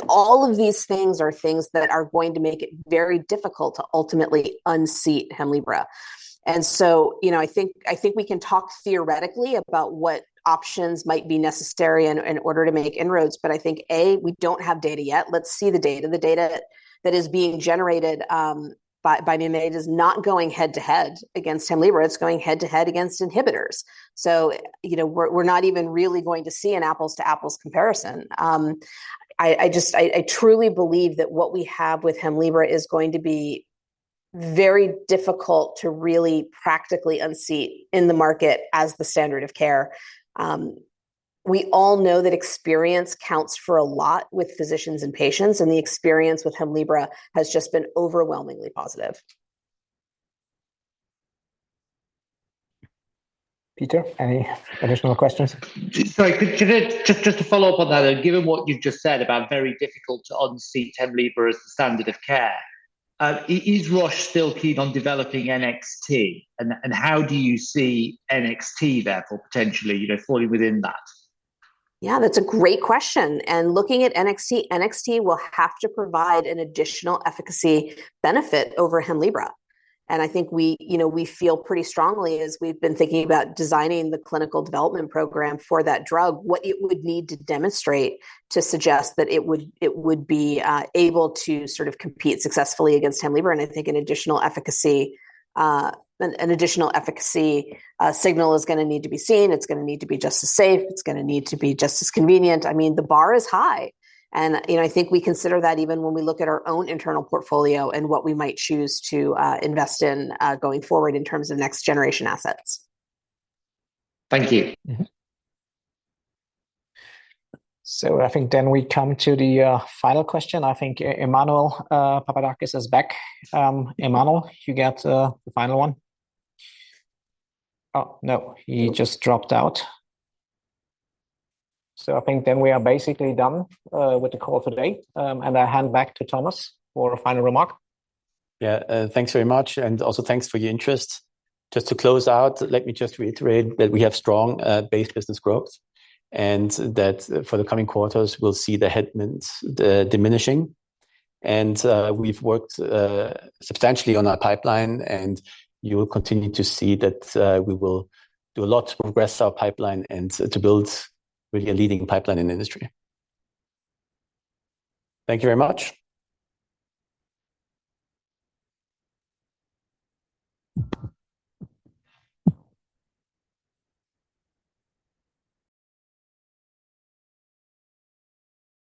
Speaker 4: All of these things are things that are going to make it very difficult to ultimately unseat Hemlibra. And so I think we can talk theoretically about what options might be necessary in order to make inroads. But I think, A, we don't have data yet. Let's see the data. The data that is being generated by M&A is not going head-to-head against Hemlibra. It's going head-to-head against inhibitors. So we're not even really going to see an apples-to-apples comparison. I truly believe that what we have with Hemlibra is going to be very difficult to really practically unseat in the market as the standard of care. We all know that experience counts for a lot with physicians and patients. And the experience with Hemlibra has just been overwhelmingly positive.
Speaker 1: Peter, any additional questions?
Speaker 19: Sorry. Just to follow up on that, given what you've just said about very difficult to unseat Hemlibra as the standard of care, is Roche still keen on developing NXT? And how do you see NXT therefore potentially falling within that?
Speaker 4: Yeah. That's a great question. And looking at NXT, NXT will have to provide an additional efficacy benefit over Hemlibra. And I think we feel pretty strongly, as we've been thinking about designing the clinical development program for that drug, what it would need to demonstrate to suggest that it would be able to sort of compete successfully against Hemlibra. And I think an additional efficacy signal is going to need to be seen. It's going to need to be just as safe. It's going to need to be just as convenient. I mean, the bar is high. And I think we consider that even when we look at our own internal portfolio and what we might choose to invest in going forward in terms of next-generation assets.
Speaker 19: Thank you.
Speaker 1: So I think, then, we come to the final question. I think Emmanuel Papadakis is back. Emmanuel, you get the final one. Oh, no. He just dropped out. So I think, then, we are basically done with the call today. And I hand back to Thomas for a final remark.
Speaker 2: Yeah. Thanks very much. And also thanks for your interest. Just to close out, let me just reiterate that we have strong base business growth and that for the coming quarters, we'll see the headwinds diminishing. And we've worked substantially on our pipeline. And you will continue to see that we will do a lot to progress our pipeline and to build really a leading pipeline in the industry. Thank you very much.